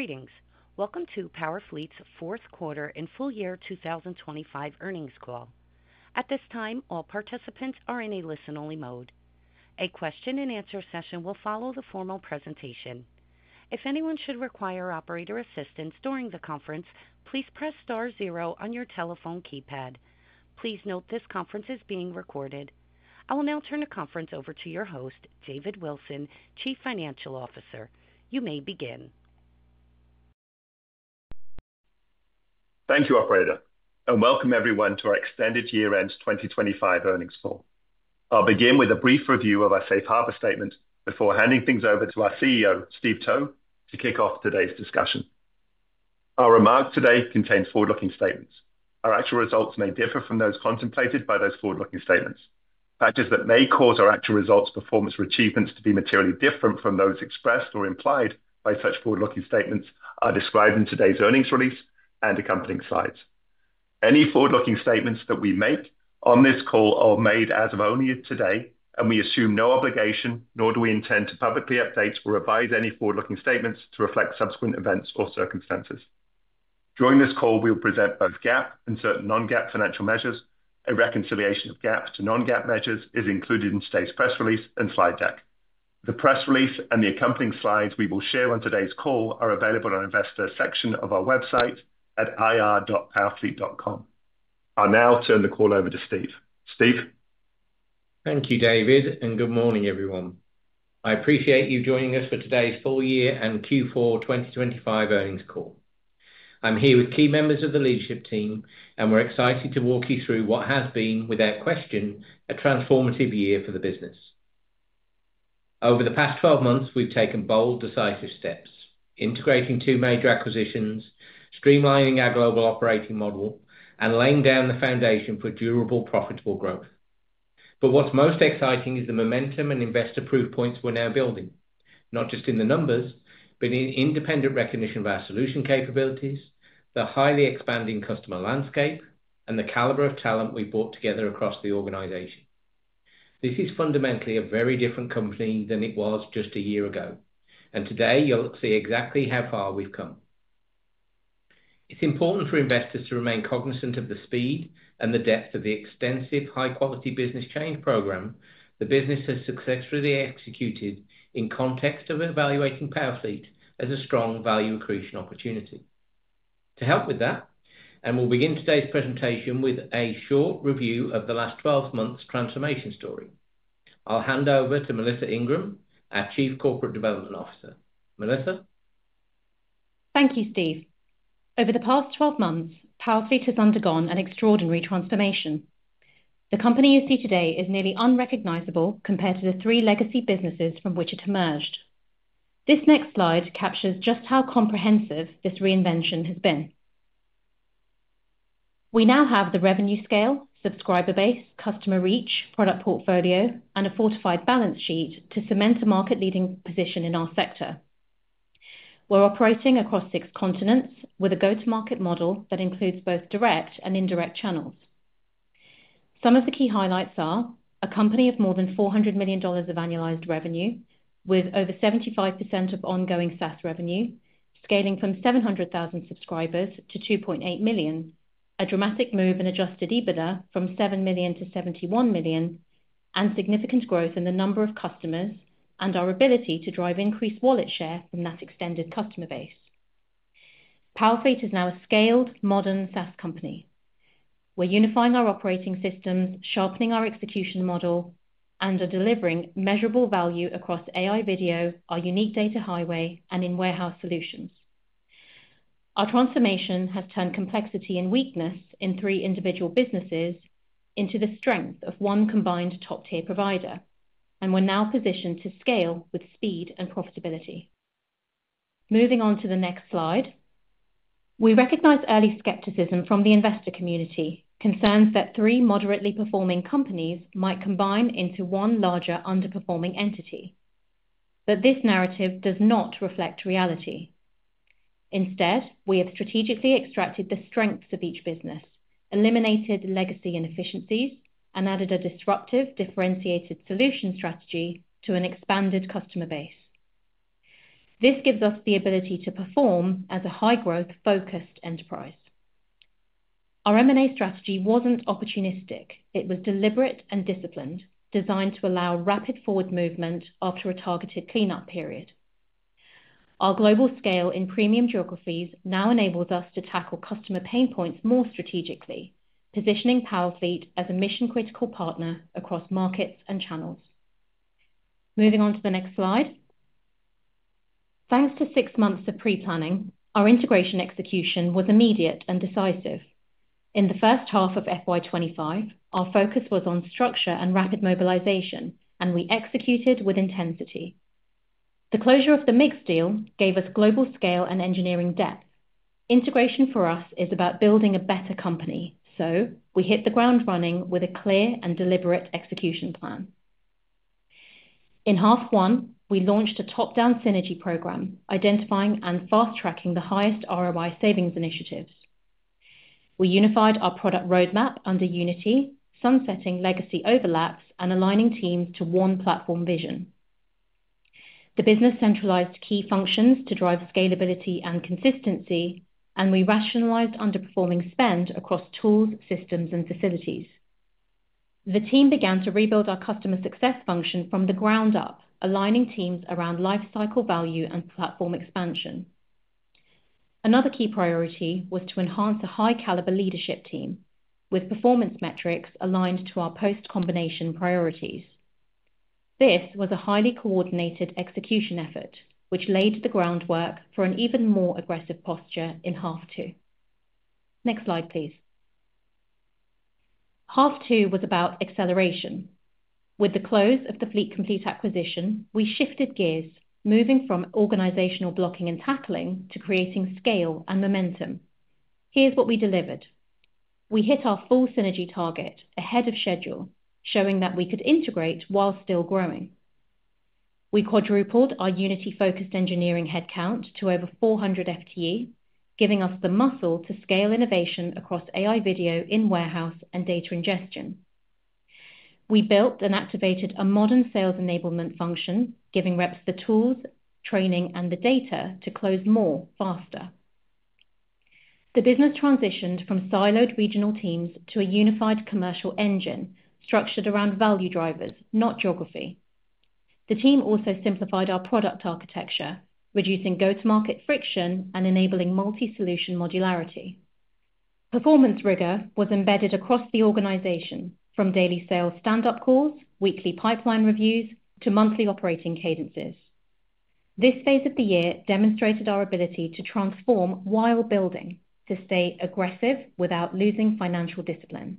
Greetings. Welcome to PowerFleet's Fourth Quarter and Full Year 2025 Earnings Call. At this time, all participants are in a listen-only mode. A question-and-answer session will follow the formal presentation. If anyone should require operator assistance during the conference, please press star zero on your telephone keypad. Please note this conference is being recorded. I will now turn the conference over to your host, David Wilson, Chief Financial Officer. You may begin. Thank you, Operator, and welcome everyone to our extended year-end 2025 earnings call. I'll begin with a brief review of our safe harbor statement before handing things over to our CEO, Steve Towe, to kick off today's discussion. Our remarks today contain forward-looking statements. Our actual results may differ from those contemplated by those forward-looking statements. Factors that may cause our actual results, performance, or achievements to be materially different from those expressed or implied by such forward-looking statements are described in today's earnings release and accompanying slides. Any forward-looking statements that we make on this call are made as of only today, and we assume no obligation, nor do we intend to publicly update or revise any forward-looking statements to reflect subsequent events or circumstances. During this call, we will present both GAAP and certain non-GAAP financial measures. A reconciliation of GAAP to non-GAAP measures is included in today's press release and slide deck. The press release and the accompanying slides we will share on today's call are available on the investor section of our website at ir.powerfleet.com. I'll now turn the call over to Steve. Steve? Thank you, David, and good morning, everyone. I appreciate you joining us for today's full year and Q4 2025 earnings call. I'm here with key members of the leadership team, and we're excited to walk you through what has been, without question, a transformative year for the business. Over the past 12 months, we've taken bold, decisive steps, integrating two major acquisitions, streamlining our global operating model, and laying down the foundation for durable, profitable growth. What is most exciting is the momentum and investor proof points we're now building, not just in the numbers, but in independent recognition of our solution capabilities, the highly expanding customer landscape, and the caliber of talent we've brought together across the organization. This is fundamentally a very different company than it was just a year ago, and today you'll see exactly how far we've come. It's important for investors to remain cognizant of the speed and the depth of the extensive, high-quality business change program the business has successfully executed in context of evaluating PowerFleet as a strong value accretion opportunity. To help with that, we'll begin today's presentation with a short review of the last 12 months' transformation story. I'll hand over to Melissa Ingram, our Chief Corporate Development Officer. Melissa? Thank you, Steve. Over the past 12 months, PowerFleet has undergone an extraordinary transformation. The company you see today is nearly unrecognizable compared to the three legacy businesses from which it emerged. This next slide captures just how comprehensive this reinvention has been. We now have the revenue scale, subscriber base, customer reach, product portfolio, and a fortified balance sheet to cement a market-leading position in our sector. We're operating across six continents with a go-to-market model that includes both direct and indirect channels. Some of the key highlights are a company of more than $400 million of annualized revenue, with over 75% of ongoing SaaS revenue, scaling from 700,000 subscribers to 2.8 million, a dramatic move in adjusted EBITDA from $7 million to $71 million, and significant growth in the number of customers and our ability to drive increased wallet share from that extended customer base. PowerFleet is now a scaled, modern SaaS company. We're unifying our operating systems, sharpening our execution model, and are delivering measurable value across AI video, our unique data highway, and in warehouse solutions. Our transformation has turned complexity and weakness in three individual businesses into the strength of one combined top-tier provider, and we're now positioned to scale with speed and profitability. Moving on to the next slide, we recognize early skepticism from the investor community, concerns that three moderately performing companies might combine into one larger underperforming entity. This narrative does not reflect reality. Instead, we have strategically extracted the strengths of each business, eliminated legacy inefficiencies, and added a disruptive, differentiated solution strategy to an expanded customer base. This gives us the ability to perform as a high-growth, focused enterprise. Our M&A strategy wasn't opportunistic. It was deliberate and disciplined, designed to allow rapid forward movement after a targeted cleanup period. Our global scale in premium geographies now enables us to tackle customer pain points more strategically, positioning PowerFleet as a mission-critical partner across markets and channels. Moving on to the next slide. Thanks to six months of pre-planning, our integration execution was immediate and decisive. In the first half of FY2025, our focus was on structure and rapid mobilization, and we executed with intensity. The closure of the MiX deal gave us global scale and engineering depth. Integration for us is about building a better company, so we hit the ground running with a clear and deliberate execution plan. In half one, we launched a top-down synergy program, identifying and fast-tracking the highest ROI savings initiatives. We unified our product roadmap under Unity, sunsetting legacy overlaps and aligning teams to one platform vision. The business centralized key functions to drive scalability and consistency, and we rationalized underperforming spend across tools, systems, and facilities. The team began to rebuild our customer success function from the ground up, aligning teams around lifecycle value and platform expansion. Another key priority was to enhance a high-caliber leadership team with performance metrics aligned to our post-combination priorities. This was a highly coordinated execution effort, which laid the groundwork for an even more aggressive posture in half two. Next slide, please. Half two was about acceleration. With the close of the Fleet Complete acquisition, we shifted gears, moving from organizational blocking and tackling to creating scale and momentum. Here's what we delivered. We hit our full synergy target ahead of schedule, showing that we could integrate while still growing. We quadrupled our Unity-focused engineering headcount to over 400 FTE, giving us the muscle to scale innovation across AI video, in-warehouse, and data ingestion. We built and activated a modern sales enablement function, giving reps the tools, training, and the data to close more faster. The business transitioned from siloed regional teams to a unified commercial engine structured around value drivers, not geography. The team also simplified our product architecture, reducing go-to-market friction and enabling multi-solution modularity. Performance rigor was embedded across the organization, from daily sales stand-up calls, weekly pipeline reviews, to monthly operating cadences. This phase of the year demonstrated our ability to transform while building, to stay aggressive without losing financial discipline.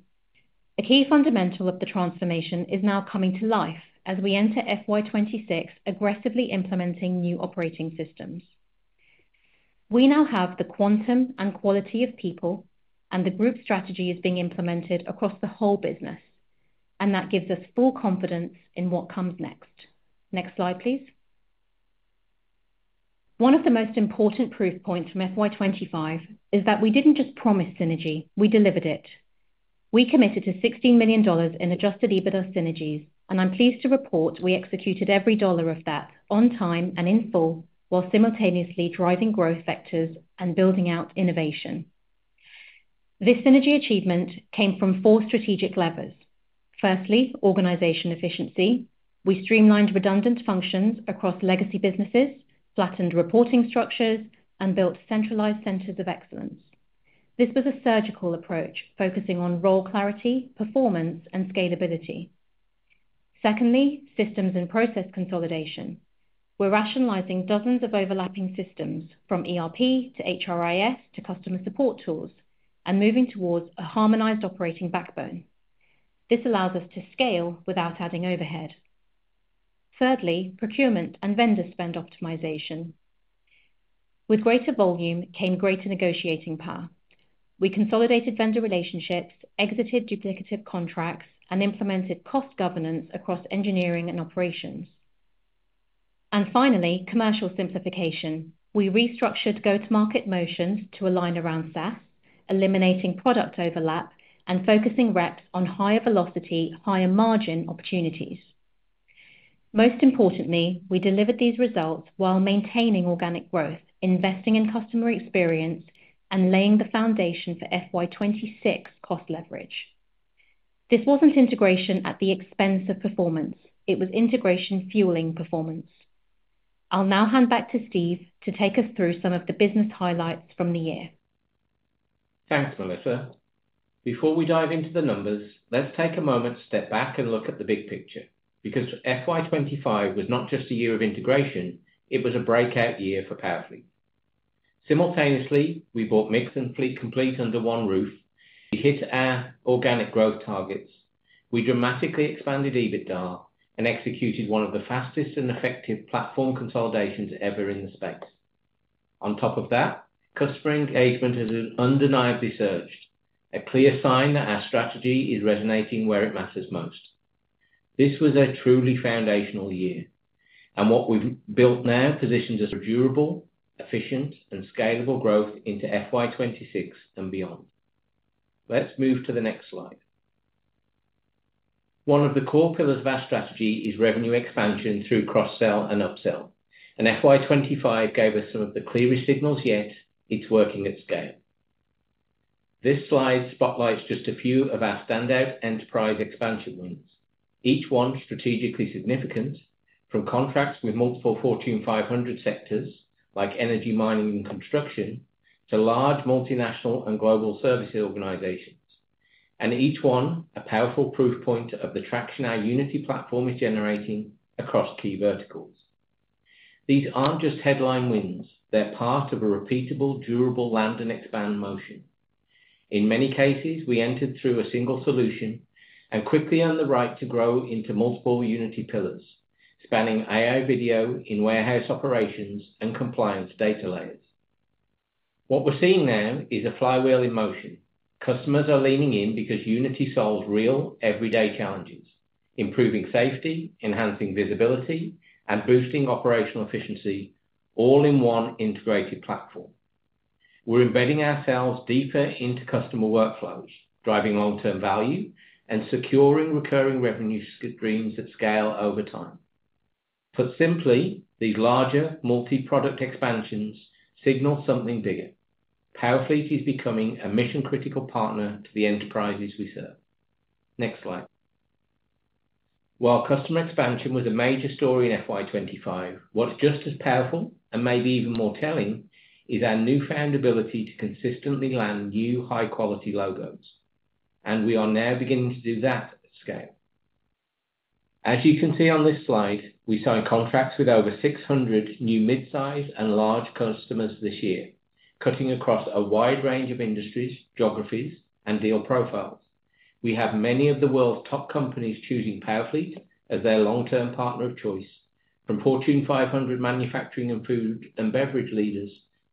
A key fundamental of the transformation is now coming to life as we enter FY2026, aggressively implementing new operating systems. We now have the quantum and quality of people, and the group strategy is being implemented across the whole business, and that gives us full confidence in what comes next. Next slide, please. One of the most important proof points from FY2025 is that we did not just promise synergy; we delivered it. We committed to $16 million in adjusted EBITDA synergies, and I am pleased to report we executed every dollar of that on time and in full while simultaneously driving growth vectors and building out innovation. This synergy achievement came from four strategic levers. Firstly, organization efficiency. We streamlined redundant functions across legacy businesses, flattened reporting structures, and built centralized centers of excellence. This was a surgical approach focusing on role clarity, performance, and scalability. Secondly, systems and process consolidation. We're rationalizing dozens of overlapping systems from ERP to HRIS to customer support tools and moving towards a harmonized operating backbone. This allows us to scale without adding overhead. Thirdly, procurement and vendor spend optimization. With greater volume came greater negotiating power. We consolidated vendor relationships, exited duplicative contracts, and implemented cost governance across engineering and operations. Finally, commercial simplification. We restructured go-to-market motions to align around SaaS, eliminating product overlap and focusing reps on higher velocity, higher margin opportunities. Most importantly, we delivered these results while maintaining organic growth, investing in customer experience, and laying the foundation for FY2026 cost leverage. This was not integration at the expense of performance. It was integration fueling performance. I'll now hand back to Steve to take us through some of the business highlights from the year. Thanks, Melissa. Before we dive into the numbers, let's take a moment to step back and look at the big picture because FY2025 was not just a year of integration. It was a breakout year for PowerFleet. Simultaneously, we brought MiX and Fleet Complete under one roof. We hit our organic growth targets. We dramatically expanded EBITDA and executed one of the fastest and effective platform consolidations ever in the space. On top of that, customer engagement has undeniably surged, a clear sign that our strategy is resonating where it matters most. This was a truly foundational year, and what we've built now positions us for durable, efficient, and scalable growth into FY2026 and beyond. Let's move to the next slide. One of the core pillars of our strategy is revenue expansion through cross-sell and upsell, and FY2025 gave us some of the clearest signals yet. It's working at scale. This slide spotlights just a few of our standout enterprise expansion wins, each one strategically significant, from contracts with multiple Fortune 500 sectors like energy, mining, and construction to large multinational and global services organizations, and each one a powerful proof point of the traction our Unity platform is generating across key verticals. These aren't just headline wins; they're part of a repeatable, durable, land-and-expand motion. In many cases, we entered through a single solution and quickly earned the right to grow into multiple Unity pillars, spanning AI video in warehouse operations and compliance data layers. What we're seeing now is a flywheel in motion. Customers are leaning in because Unity solves real, everyday challenges, improving safety, enhancing visibility, and boosting operational efficiency, all in one integrated platform. We're embedding ourselves deeper into customer workflows, driving long-term value and securing recurring revenue streams at scale over time. Put simply, these larger multi-product expansions signal something bigger. PowerFleet is becoming a mission-critical partner to the enterprises we serve. Next slide. While customer expansion was a major story in FY2025, what's just as powerful and maybe even more telling is our newfound ability to consistently land new, high-quality logos, and we are now beginning to do that at scale. As you can see on this slide, we signed contracts with over 600 new midsize and large customers this year, cutting across a wide range of industries, geographies, and deal profiles. We have many of the world's top companies choosing PowerFleet as their long-term partner of choice, from Fortune 500 manufacturing and food and beverage leaders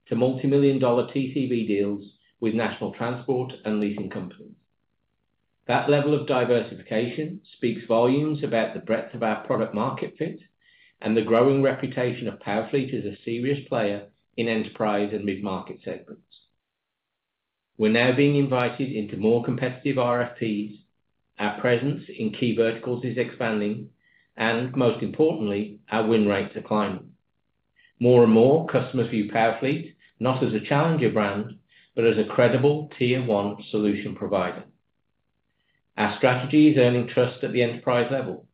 to multi-million dollar TCB deals with national transport and leasing companies. That level of diversification speaks volumes about the breadth of our product market fit, and the growing reputation of PowerFleet as a serious player in enterprise and mid-market segments. We're now being invited into more competitive RFPs. Our presence in key verticals is expanding, and most importantly, our win rates are climbing. More and more, customers view PowerFleet not as a challenger brand, but as a credible tier-one solution provider. Our strategy is earning trust at the enterprise level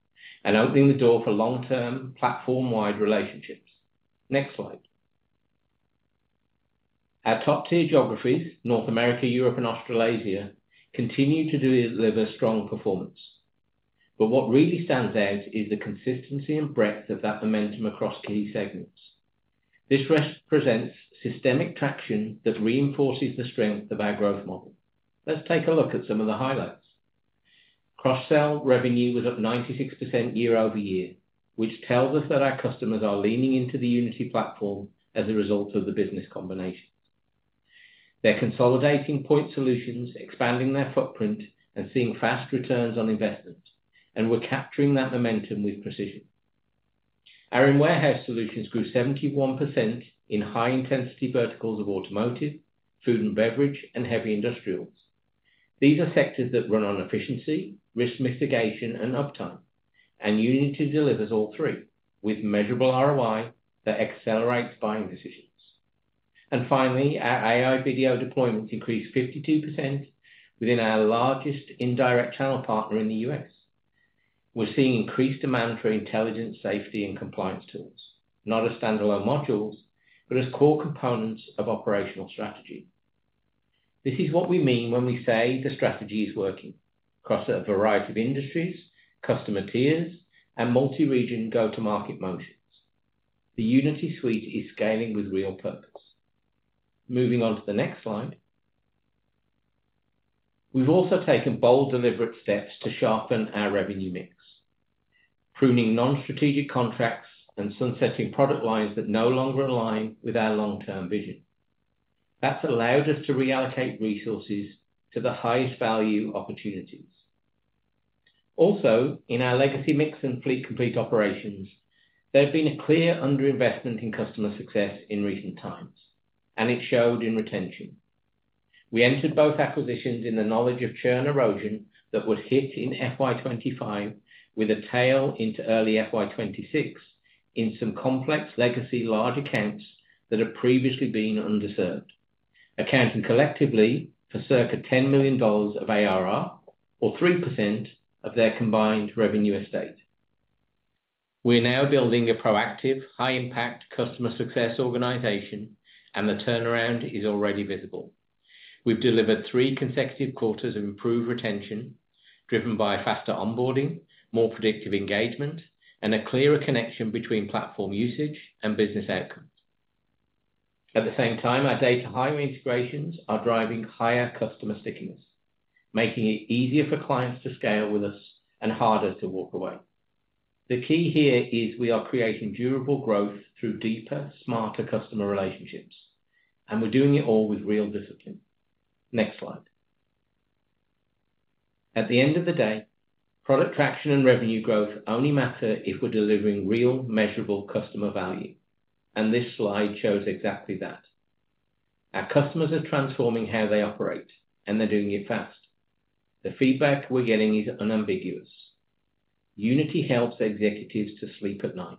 and opening the door for long-term platform-wide relationships. Next slide. Our top-tier geographies, North America, Europe, and Australasia, continue to deliver strong performance. What really stands out is the consistency and breadth of that momentum across key segments. This represents systemic traction that reinforces the strength of our growth model. Let's take a look at some of the highlights. Cross-sell revenue was up 96% year over year, which tells us that our customers are leaning into the Unity platform as a result of the business combination. They're consolidating point solutions, expanding their footprint, and seeing fast returns on investment, and we're capturing that momentum with precision. Our in-warehouse solutions grew 71% in high-intensity verticals of automotive, food and beverage, and heavy industrials. These are sectors that run on efficiency, risk mitigation, and uptime, and Unity delivers all three with measurable ROI that accelerates buying decisions. Finally, our AI video deployments increased 52% within our largest indirect channel partner in the U.S. We're seeing increased demand for intelligence, safety, and compliance tools, not as standalone modules, but as core components of operational strategy. This is what we mean when we say the strategy is working across a variety of industries, customer tiers, and multi-region go-to-market motions. The Unity suite is scaling with real purpose. Moving on to the next slide. We have also taken bold, deliberate steps to sharpen our revenue mix, pruning non-strategic contracts and sunsetting product lines that no longer align with our long-term vision. That has allowed us to reallocate resources to the highest value opportunities. Also, in our legacy MiX and Fleet Complete operations, there has been a clear underinvestment in customer success in recent times, and it showed in retention. We entered both acquisitions in the knowledge of churn erosion that would hit in FY2025, with a tail into early FY2026 in some complex legacy large accounts that had previously been underserved, accounting collectively for circa $10 million of ARR, or 3% of their combined revenue estate. We are now building a proactive, high-impact customer success organization, and the turnaround is already visible. We've delivered three consecutive quarters of improved retention, driven by faster onboarding, more predictive engagement, and a clearer connection between platform usage and business outcomes. At the same time, our data highway integrations are driving higher customer stickiness, making it easier for clients to scale with us and harder to walk away. The key here is we are creating durable growth through deeper, smarter customer relationships, and we're doing it all with real discipline. Next slide. At the end of the day, product traction and revenue growth only matter if we're delivering real, measurable customer value, and this slide shows exactly that. Our customers are transforming how they operate, and they're doing it fast. The feedback we're getting is unambiguous. Unity helps executives to sleep at night.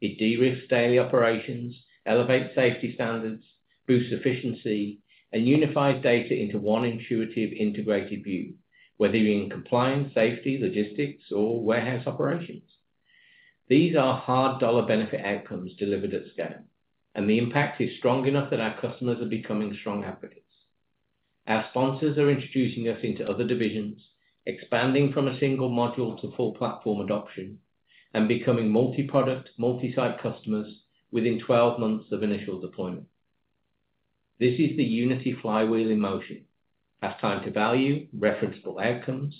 It de-risks daily operations, elevates safety standards, boosts efficiency, and unifies data into one intuitive integrated view, whether you're in compliance, safety, logistics, or warehouse operations. These are hard dollar benefit outcomes delivered at scale, and the impact is strong enough that our customers are becoming strong advocates. Our sponsors are introducing us into other divisions, expanding from a single module to full platform adoption and becoming multi-product, multi-site customers within 12 months of initial deployment. This is the Unity flywheel in motion: have time to value, referenceable outcomes,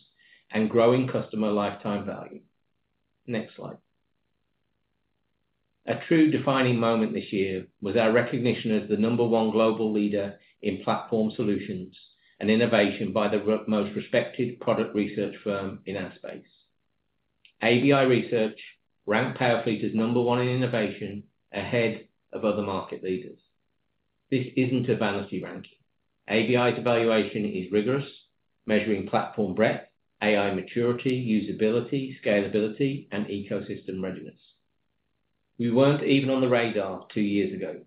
and growing customer lifetime value. Next slide. A true defining moment this year was our recognition as the number one global leader in platform solutions and innovation by the most respected product research firm in our space. ABI Research ranked PowerFleet as number one in innovation, ahead of other market leaders. This isn't a vanity ranking. ABI's evaluation is rigorous, measuring platform breadth, AI maturity, usability, scalability, and ecosystem readiness. We weren't even on the radar two years ago,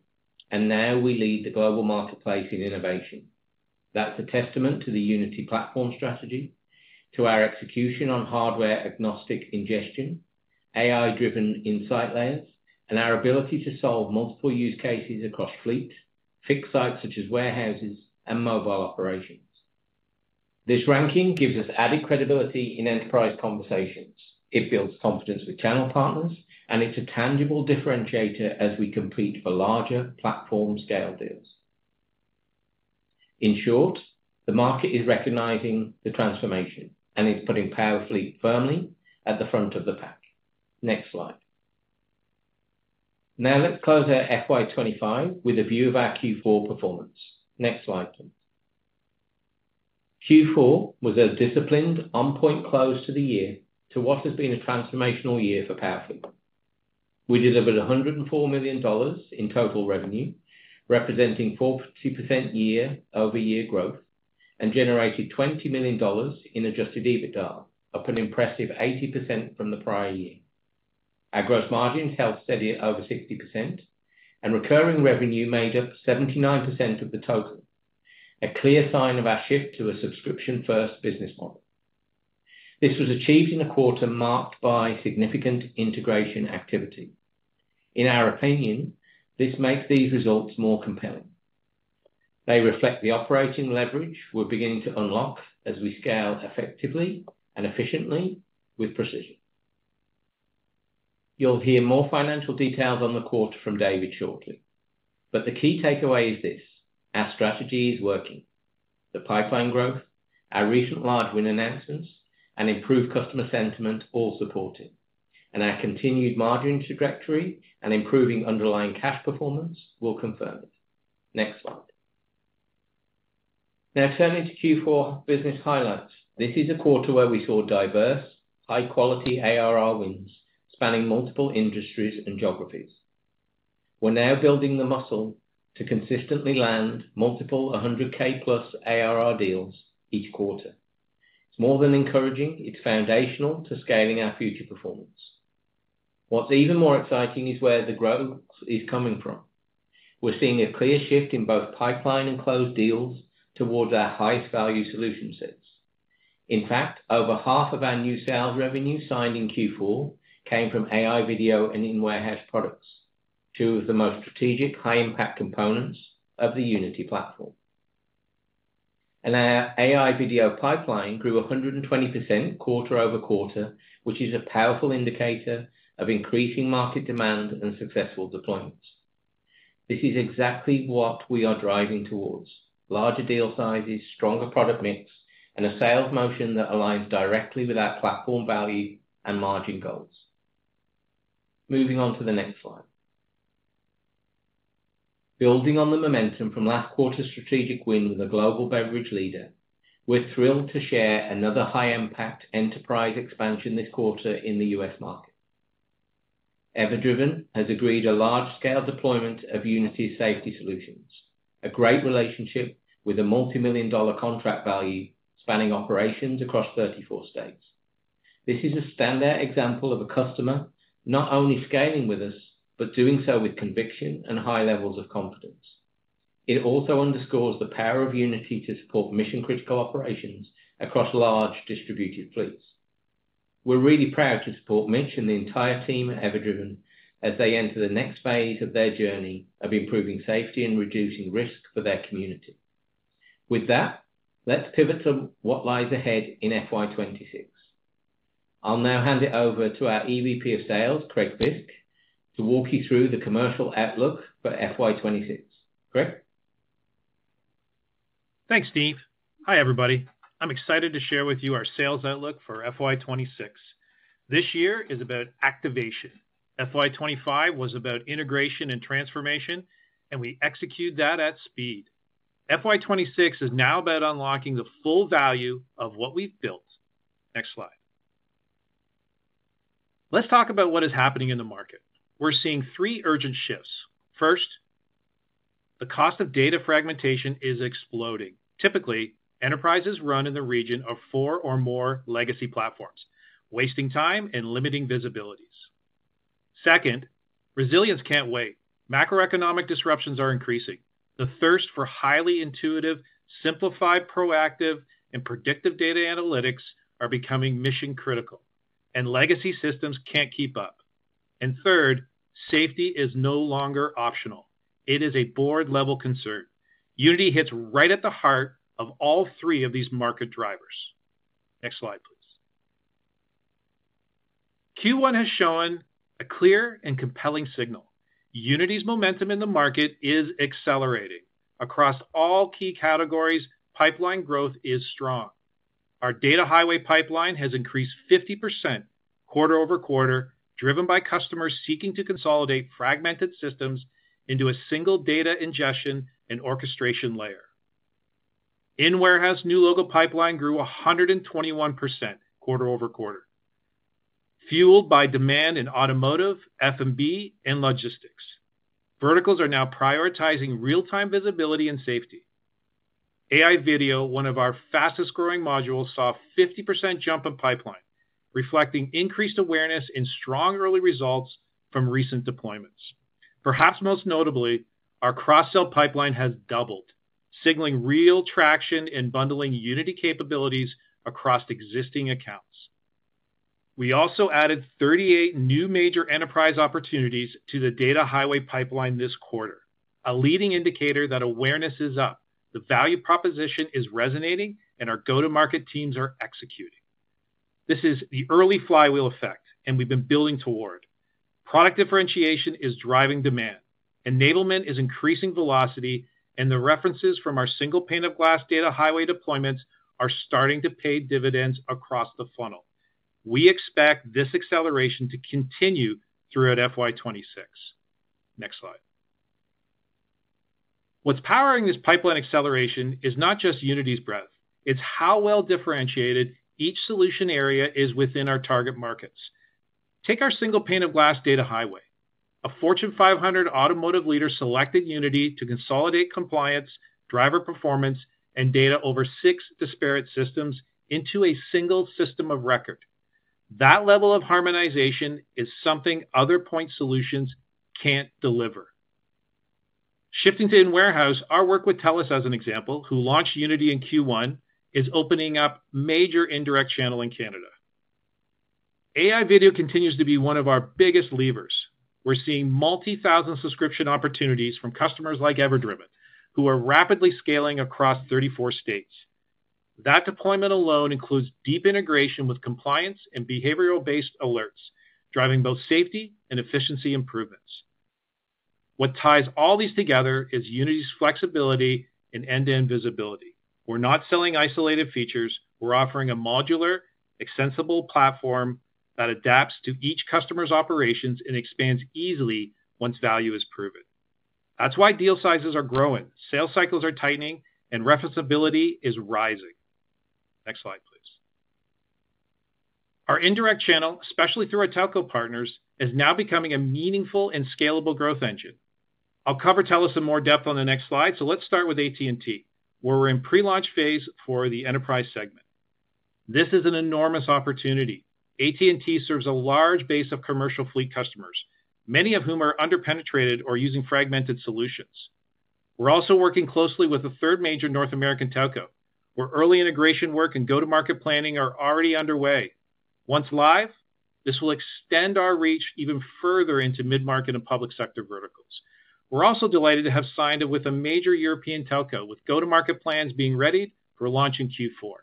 and now we lead the global marketplace in innovation. That's a testament to the Unity platform strategy, to our execution on hardware-agnostic ingestion, AI-driven insight layers, and our ability to solve multiple use cases across fleets, fixed sites such as warehouses, and mobile operations. This ranking gives us added credibility in enterprise conversations. It builds confidence with channel partners, and it's a tangible differentiator as we complete the larger platform-scale deals. In short, the market is recognizing the transformation, and it's putting PowerFleet firmly at the front of the pack. Next slide. Now let's close out FY2025 with a view of our Q4 performance. Next slide, please. Q4 was a disciplined, on-point close to the year to what has been a transformational year for PowerFleet. We delivered $104 million in total revenue, representing 42% year-over-year growth, and generated $20 million in adjusted EBITDA, up an impressive 80% from the prior year. Our gross margins held steady at over 60%, and recurring revenue made up 79% of the total, a clear sign of our shift to a subscription-first business model. This was achieved in a quarter marked by significant integration activity. In our opinion, this makes these results more compelling. They reflect the operating leverage we're beginning to unlock as we scale effectively and efficiently with precision. You'll hear more financial details on the quarter from David shortly, but the key takeaway is this: our strategy is working. The pipeline growth, our recent large win announcements, and improved customer sentiment all support it, and our continued margin trajectory and improving underlying cash performance will confirm it. Next slide. Now turning to Q4 business highlights. This is a quarter where we saw diverse, high-quality ARR wins spanning multiple industries and geographies. We're now building the muscle to consistently land multiple $100,000+ ARR deals each quarter. It's more than encouraging. It's foundational to scaling our future performance. What's even more exciting is where the growth is coming from. We're seeing a clear shift in both pipeline and closed deals towards our highest value solution sets. In fact, over half of our new sales revenue signed in Q4 came from AI video and in-warehouse products, two of the most strategic, high-impact components of the Unity platform. Our AI video pipeline grew 120% quarter over quarter, which is a powerful indicator of increasing market demand and successful deployments. This is exactly what we are driving towards: larger deal sizes, stronger product mix, and a sales motion that aligns directly with our platform value and margin goals. Moving on to the next slide. Building on the momentum from last quarter's strategic win with a global beverage leader, we're thrilled to share another high-impact enterprise expansion this quarter in the U.S. market. EverDriven has agreed to a large-scale deployment of Unity's safety solutions, a great relationship with a multi-million dollar contract value spanning operations across 34 states. This is a standout example of a customer not only scaling with us, but doing so with conviction and high levels of confidence. It also underscores the power of Unity to support mission-critical operations across large distributed fleets. We're really proud to support Mitch and the entire team at EverDriven as they enter the next phase of their journey of improving safety and reducing risk for their community. With that, let's pivot to what lies ahead in FY2026. I'll now hand it over to our EVP of Sales, Craig Fisk, to walk you through the commercial outlook for FY2026. Craig? Thanks, Steve. Hi, everybody. I'm excited to share with you our sales outlook for FY2026. This year is about activation. FY2025 was about integration and transformation, and we execute that at speed. FY2026 is now about unlocking the full value of what we've built. Next slide. Let's talk about what is happening in the market. We're seeing three urgent shifts. First, the cost of data fragmentation is exploding. Typically, enterprises run in the region of four or more legacy platforms, wasting time and limiting visibilities. Second, resilience can't wait. Macroeconomic disruptions are increasing. The thirst for highly intuitive, simplified, proactive, and predictive data analytics is becoming mission-critical, and legacy systems can't keep up. Third, safety is no longer optional. It is a board-level concern. Unity hits right at the heart of all three of these market drivers. Next slide, please. Q1 has shown a clear and compelling signal. Unity's momentum in the market is accelerating. Across all key categories, pipeline growth is strong. Our Data Highway pipeline has increased 50% quarter over quarter, driven by customers seeking to consolidate fragmented systems into a single data ingestion and orchestration layer. In-Warehouse new local pipeline grew 121% quarter over quarter, fueled by demand in automotive, F&B, and logistics. Verticals are now prioritizing real-time visibility and safety. AI Video, one of our fastest-growing modules, saw a 50% jump in pipeline, reflecting increased awareness and strong early results from recent deployments. Perhaps most notably, our cross-sell pipeline has doubled, signaling real traction in bundling Unity capabilities across existing accounts. We also added 38 new major enterprise opportunities to the Data Highway pipeline this quarter, a leading indicator that awareness is up, the value proposition is resonating, and our go-to-market teams are executing. This is the early flywheel effect we have been building toward. Product differentiation is driving demand. Enablement is increasing velocity, and the references from our single pane-of-glass Data Highway deployments are starting to pay dividends across the funnel. We expect this acceleration to continue throughout FY2026. Next slide. What is powering this pipeline acceleration is not just Unity's breadth; it is how well differentiated each solution area is within our target markets. Take our single pane-of-glass Data Highway. A Fortune 500 automotive leader selected Unity to consolidate compliance, driver performance, and data over six disparate systems into a single system of record. That level of harmonization is something other point solutions cannot deliver. Shifting to In-Warehouse, our work with Telus, as an example, who launched Unity in Q1, is opening up a major indirect channel in Canada. AI Video continues to be one of our biggest levers. We're seeing multi-thousand subscription opportunities from customers like EverDriven, who are rapidly scaling across 34 states. That deployment alone includes deep integration with compliance and behavioral-based alerts, driving both safety and efficiency improvements. What ties all these together is Unity's flexibility and end-to-end visibility. We're not selling isolated features; we're offering a modular, extensible platform that adapts to each customer's operations and expands easily once value is proven. That's why deal sizes are growing, sales cycles are tightening, and referenceability is rising. Next slide, please. Our indirect channel, especially through our telco partners, is now becoming a meaningful and scalable growth engine. I'll cover Telus in more depth on the next slide, so let's start with AT&T, where we're in pre-launch phase for the enterprise segment. This is an enormous opportunity. AT&T serves a large base of commercial fleet customers, many of whom are underpenetrated or using fragmented solutions. We're also working closely with a third major North American telco, where early integration work and go-to-market planning are already underway. Once live, this will extend our reach even further into mid-market and public sector verticals. We're also delighted to have signed with a major European telco, with go-to-market plans being ready for launch in Q4.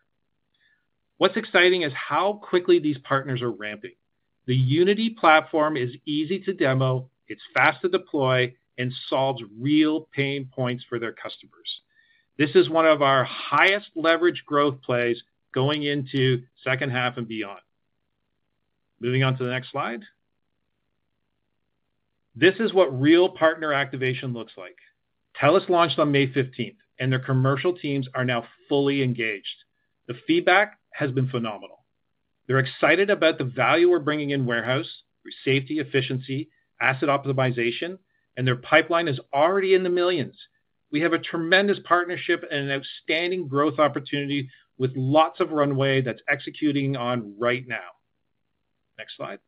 What's exciting is how quickly these partners are ramping. The Unity platform is easy to demo, it's fast to deploy, and solves real pain points for their customers. This is one of our highest leverage growth plays going into second half and beyond. Moving on to the next slide. This is what real partner activation looks like. Telus launched on May 15th, and their commercial teams are now fully engaged. The feedback has been phenomenal. They're excited about the value we're bringing in warehouse through safety, efficiency, asset optimization, and their pipeline is already in the millions. We have a tremendous partnership and an outstanding growth opportunity with lots of runway that's executing on right now. Next slide.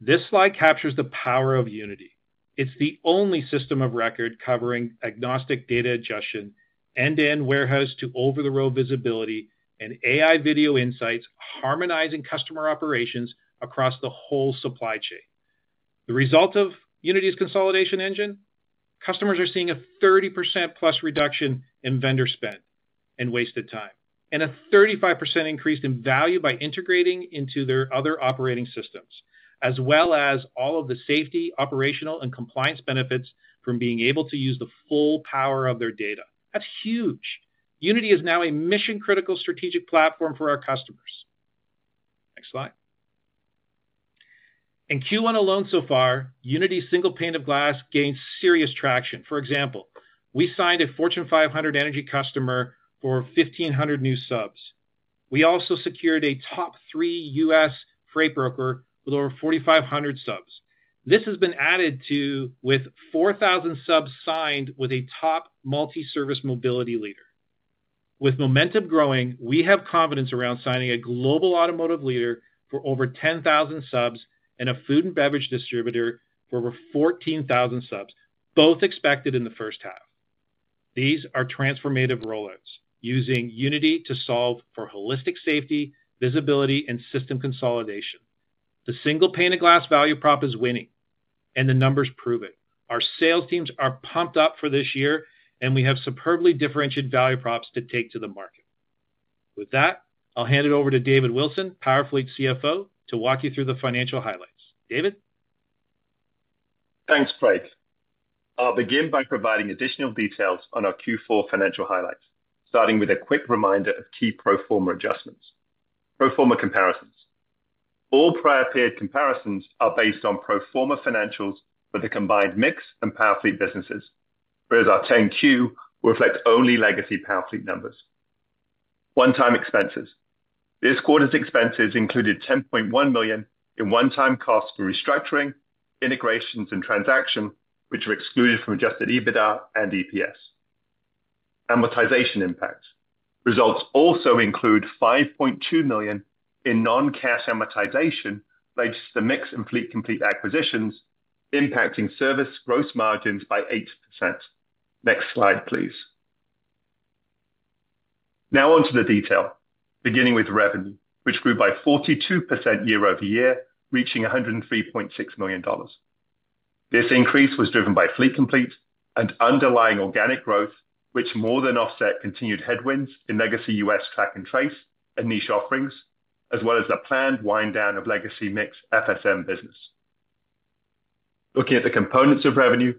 This slide captures the power of Unity. It's the only system of record covering agnostic data ingestion, end-to-end warehouse to over-the-road visibility, and AI Video insights harmonizing customer operations across the whole supply chain. The result of Unity's consolidation engine? Customers are seeing a 30%+ reduction in vendor spend and wasted time, and a 35% increase in value by integrating into their other operating systems, as well as all of the safety, operational, and compliance benefits from being able to use the full power of their data. That's huge. Unity is now a mission-critical strategic platform for our customers. Next slide. In Q1 alone so far, Unity's single pane-of-glass gained serious traction. For example, we signed a Fortune 500 energy customer for 1,500 new subs. We also secured a top three US freight broker with over 4,500 subs. This has been added to with 4,000 subs signed with a top multi-service mobility leader. With momentum growing, we have confidence around signing a global automotive leader for over 10,000 subs and a food and beverage distributor for over 14,000 subs, both expected in the first half. These are transformative rollouts, using Unity to solve for holistic safety, visibility, and system consolidation. The single pane-of-glass value prop is winning, and the numbers prove it. Our sales teams are pumped up for this year, and we have superbly differentiated value props to take to the market. With that, I'll hand it over to David Wilson, PowerFleet CFO, to walk you through the financial highlights. David? Thanks, Craig. I'll begin by providing additional details on our Q4 financial highlights, starting with a quick reminder of key pro forma adjustments. Pro forma comparisons. All prior-period comparisons are based on pro forma financials for the combined MiX and PowerFleet businesses, whereas our 10Q will reflect only legacy PowerFleet numbers. One-time expenses. This quarter's expenses included $10.1 million in one-time costs for restructuring, integrations, and transaction, which are excluded from adjusted EBITDA and EPS. Amortization impacts. Results also include $5.2 million in non-cash amortization related to the MiX and Fleet Complete acquisitions, impacting service gross margins by 8%. Next slide, please. Now on to the detail, beginning with revenue, which grew by 42% year over year, reaching $103.6 million. This increase was driven by Fleet Complete and underlying organic growth, which more than offset continued headwinds in legacy U.S. track and trace and niche offerings, as well as the planned wind down of legacy MiX FSM business. Looking at the components of revenue,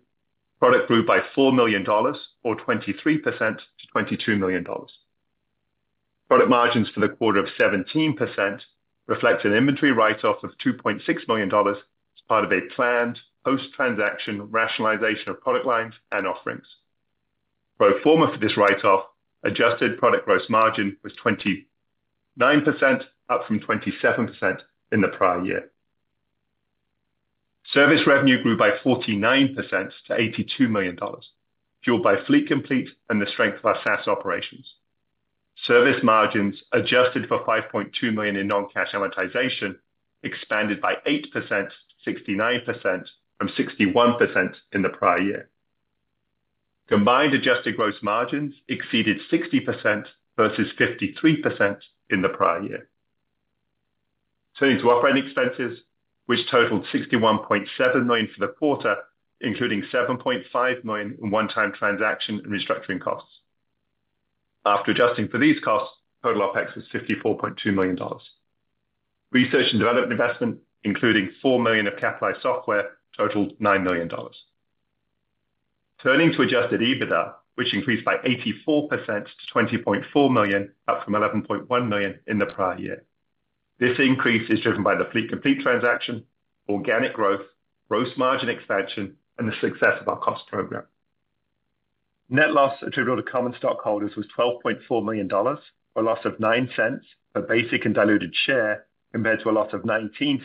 product grew by $4 million, or 23%, to $22 million. Product margins for the quarter of 17% reflect an inventory write-off of $2.6 million as part of a planned post-transaction rationalization of product lines and offerings. Pro forma for this write-off, adjusted product gross margin was 29%, up from 27% in the prior year. Service revenue grew by 49% to $82 million, fueled by Fleet Complete and the strength of our SaaS operations. Service margins adjusted for $5.2 million in non-cash amortization expanded by 8% to 69% from 61% in the prior year. Combined adjusted gross margins exceeded 60% versus 53% in the prior year. Turning to operating expenses, which totaled $61.7 million for the quarter, including $7.5 million in one-time transaction and restructuring costs. After adjusting for these costs, total OpEx was $54.2 million. Research and development investment, including $4 million of capitalized software, totaled $9 million. Turning to adjusted EBITDA, which increased by 84% to $20.4 million, up from $11.1 million in the prior year. This increase is driven by the Fleet Complete transaction, organic growth, gross margin expansion, and the success of our cost program. Net loss attributable to common stockholders was $12.4 million, a loss of $0.09 per basic and diluted share compared to a loss of $0.19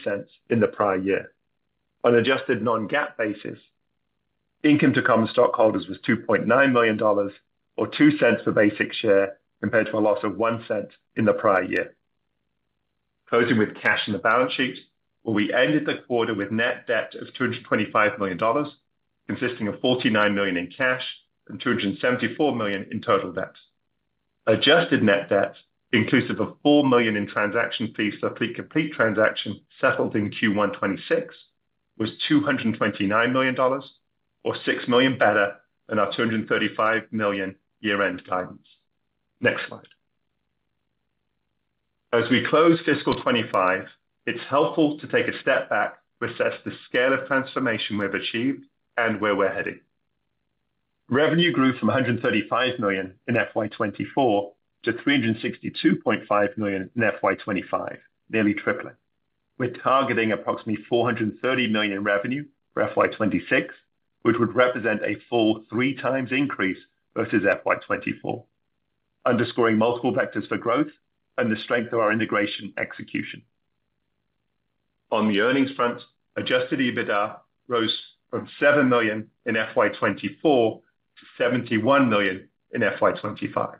in the prior year. On an adjusted non-GAAP basis, income to common stockholders was $2.9 million, or $0.02 per basic share compared to a loss of $0.01 in the prior year. Closing with cash in the balance sheet, where we ended the quarter with net debt of $225 million, consisting of $49 million in cash and $274 million in total debt. Adjusted net debt, inclusive of $4 million in transaction fees for the Fleet Complete transaction settled in Q1 2026, was $229 million, or $6 million better than our $235 million year-end guidance. Next slide. As we close fiscal 2025, it is helpful to take a step back to assess the scale of transformation we have achieved and where we are heading. Revenue grew from $135 million in FY2024 to $362.5 million in FY2025, nearly tripling. We're targeting approximately $430 million in revenue for FY2026, which would represent a full three times increase versus FY2024, underscoring multiple vectors for growth and the strength of our integration execution. On the earnings front, adjusted EBITDA rose from $7 million in FY2024 to $71 million in FY2025.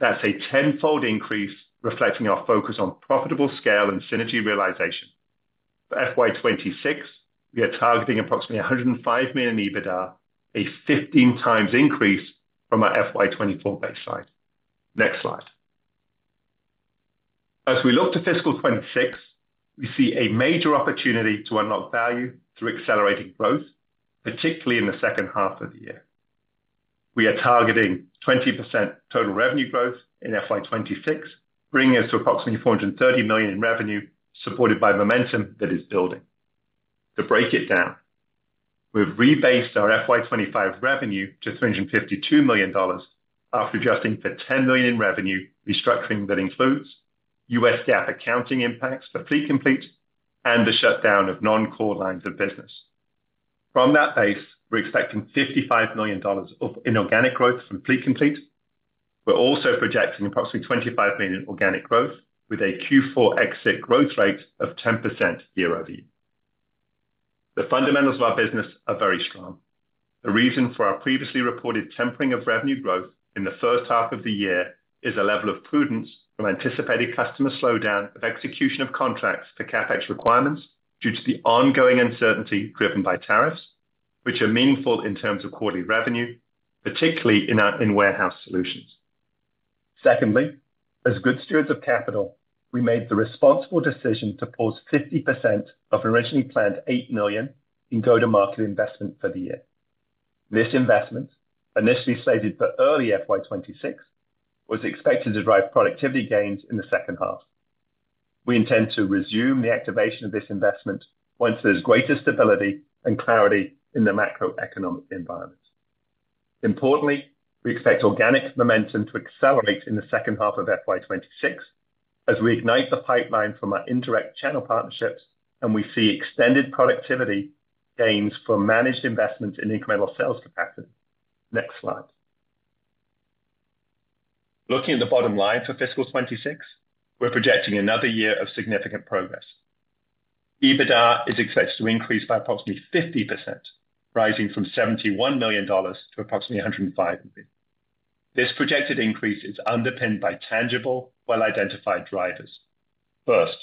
That's a tenfold increase, reflecting our focus on profitable scale and synergy realization. For FY2026, we are targeting approximately $105 million in EBITDA, a 15x increase from our FY2024 baseline. Next slide. As we look to fiscal 2026, we see a major opportunity to unlock value through accelerating growth, particularly in the second half of the year. We are targeting 20% total revenue growth in FY2026, bringing us to approximately $430 million in revenue, supported by momentum that is building. To break it down, we've rebased our FY2025 revenue to $352 million after adjusting for $10 million in revenue restructuring that includes U.S. GAAP accounting impacts for Fleet Complete and the shutdown of non-core lines of business. From that base, we're expecting $55 million in organic growth from Fleet Complete. We're also projecting approximately $25 million in organic growth, with a Q4 exit growth rate of 10% year over year. The fundamentals of our business are very strong. The reason for our previously reported tempering of revenue growth in the first half of the year is a level of prudence from anticipated customer slowdown of execution of contracts for CapEx requirements due to the ongoing uncertainty driven by tariffs, which are meaningful in terms of quarterly revenue, particularly in warehouse solutions. Secondly, as good stewards of capital, we made the responsible decision to pause 50% of originally planned $8 million in go-to-market investment for the year. This investment, initially slated for early fiscal 2026, was expected to drive productivity gains in the second half. We intend to resume the activation of this investment once there is greater stability and clarity in the macroeconomic environment. Importantly, we expect organic momentum to accelerate in the second half of FY2026 as we ignite the pipeline from our indirect channel partnerships, and we see extended productivity gains from managed investments in incremental sales capacity. Next slide. Looking at the bottom line for fiscal 2026, we are projecting another year of significant progress. EBITDA is expected to increase by approximately 50%, rising from $71 million to approximately $105 million. This projected increase is underpinned by tangible, well-identified drivers. First,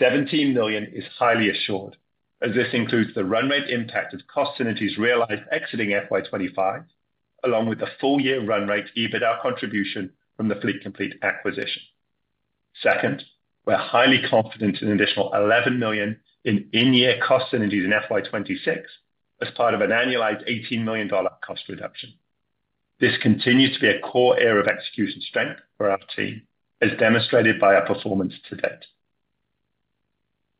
$17 million is highly assured, as this includes the run rate impact of cost synergies realized exiting FY2025, along with the full-year run rate EBITDA contribution from the Fleet Complete acquisition. Second, we're highly confident in an additional $11 million in in-year cost synergies in FY2026 as part of an annualized $18 million cost reduction. This continues to be a core area of execution strength for our team, as demonstrated by our performance to date.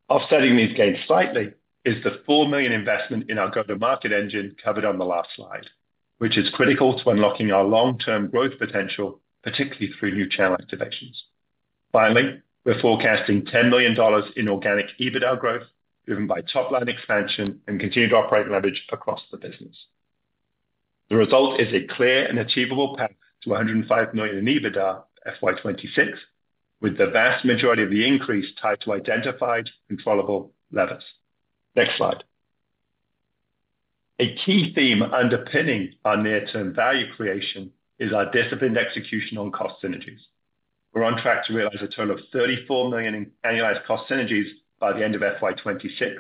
Offsetting these gains slightly is the $4 million investment in our go-to-market engine covered on the last slide, which is critical to unlocking our long-term growth potential, particularly through new channel activations. Finally, we're forecasting $10 million in organic EBITDA growth driven by top-line expansion and continued operating leverage across the business. The result is a clear and achievable path to $105 million in EBITDA for FY2026, with the vast majority of the increase tied to identified controllable levers. Next slide. A key theme underpinning our near-term value creation is our disciplined execution on cost synergies. We're on track to realize a total of $34 million in annualized cost synergies by the end of FY2026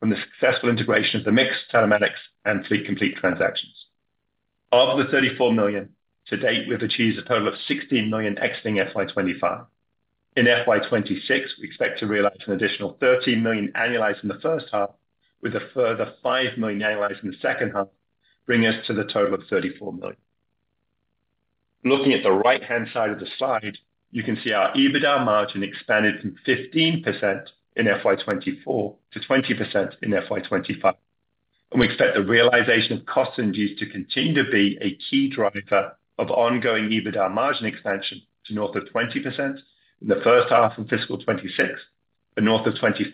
from the successful integration of the MiX Telematics and Fleet Complete transactions. Of the $34 million, to date, we've achieved a total of $16 million exiting FY2025. In FY2026, we expect to realize an additional $13 million annualized in the first half, with a further $5 million annualized in the second half, bringing us to the total of $34 million. Looking at the right-hand side of the slide, you can see our EBITDA margin expanded from 15% in FY24 to 20% in FY2025. We expect the realization of cost synergies to continue to be a key driver of ongoing EBITDA margin expansion to north of 20% in the first half of fiscal 2026 and north of 25%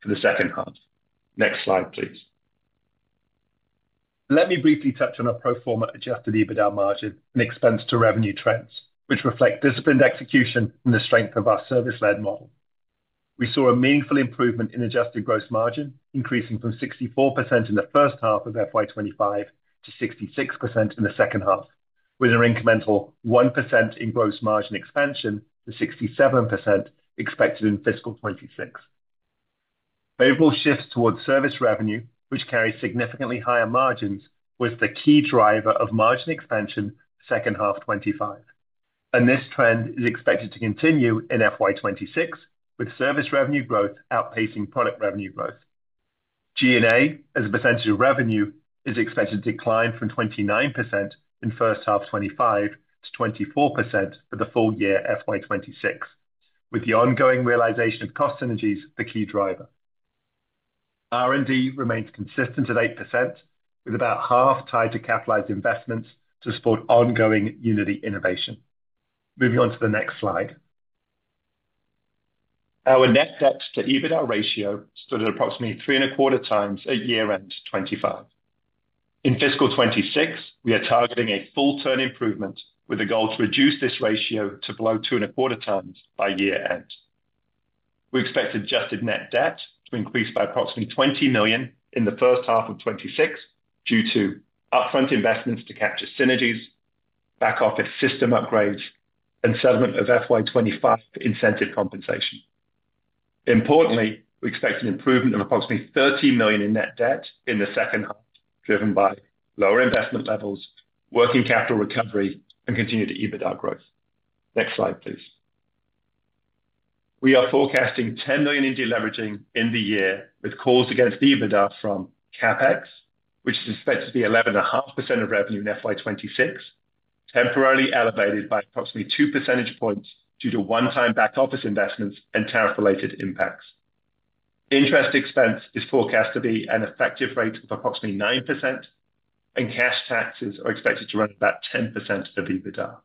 for the second half. Next slide, please. Let me briefly touch on our pro forma adjusted EBITDA margin and expense-to-revenue trends, which reflect disciplined execution and the strength of our service-led model. We saw a meaningful improvement in adjusted gross margin, increasing from 64% in the first half of FY2025 to 66% in the second half, with an incremental 1% in gross margin expansion to 67% expected in fiscal 2026. Favorable shifts towards service revenue, which carries significantly higher margins, were the key driver of margin expansion for the second half of 2025. This trend is expected to continue in FY2026, with service revenue growth outpacing product revenue growth. G&A, as a percentage of revenue, is expected to decline from 29% in the first half of 2025 to 24% for the full year 2026, with the ongoing realization of cost synergies the key driver. R and D remains consistent at 8%, with about half tied to capitalized investments to support ongoing Unity innovation. Moving on to the next slide. Our net debt-to-EBITDA ratio stood at approximately 3.25x at year-end 2025. In fiscal 2026, we are targeting a full-turn improvement with a goal to reduce this ratio to below 2.25x by year-end. We expect adjusted net debt to increase by approximately $20 million in the first half of 2026 due to upfront investments to capture synergies, back-office system upgrades, and settlement of 2025 incentive compensation. Importantly, we expect an improvement of approximately $30 million in net debt in the second half, driven by lower investment levels, working capital recovery, and continued EBITDA growth. Next slide, please. We are forecasting $10 million in deleveraging in the year, with calls against EBITDA from CapEx, which is expected to be 11.5% of revenue in FY2026, temporarily elevated by approximately 2 percentage points due to one-time back-office investments and tariff-related impacts. Interest expense is forecast to be an effective rate of approximately 9%, and cash taxes are expected to run at about 10% of EBITDA.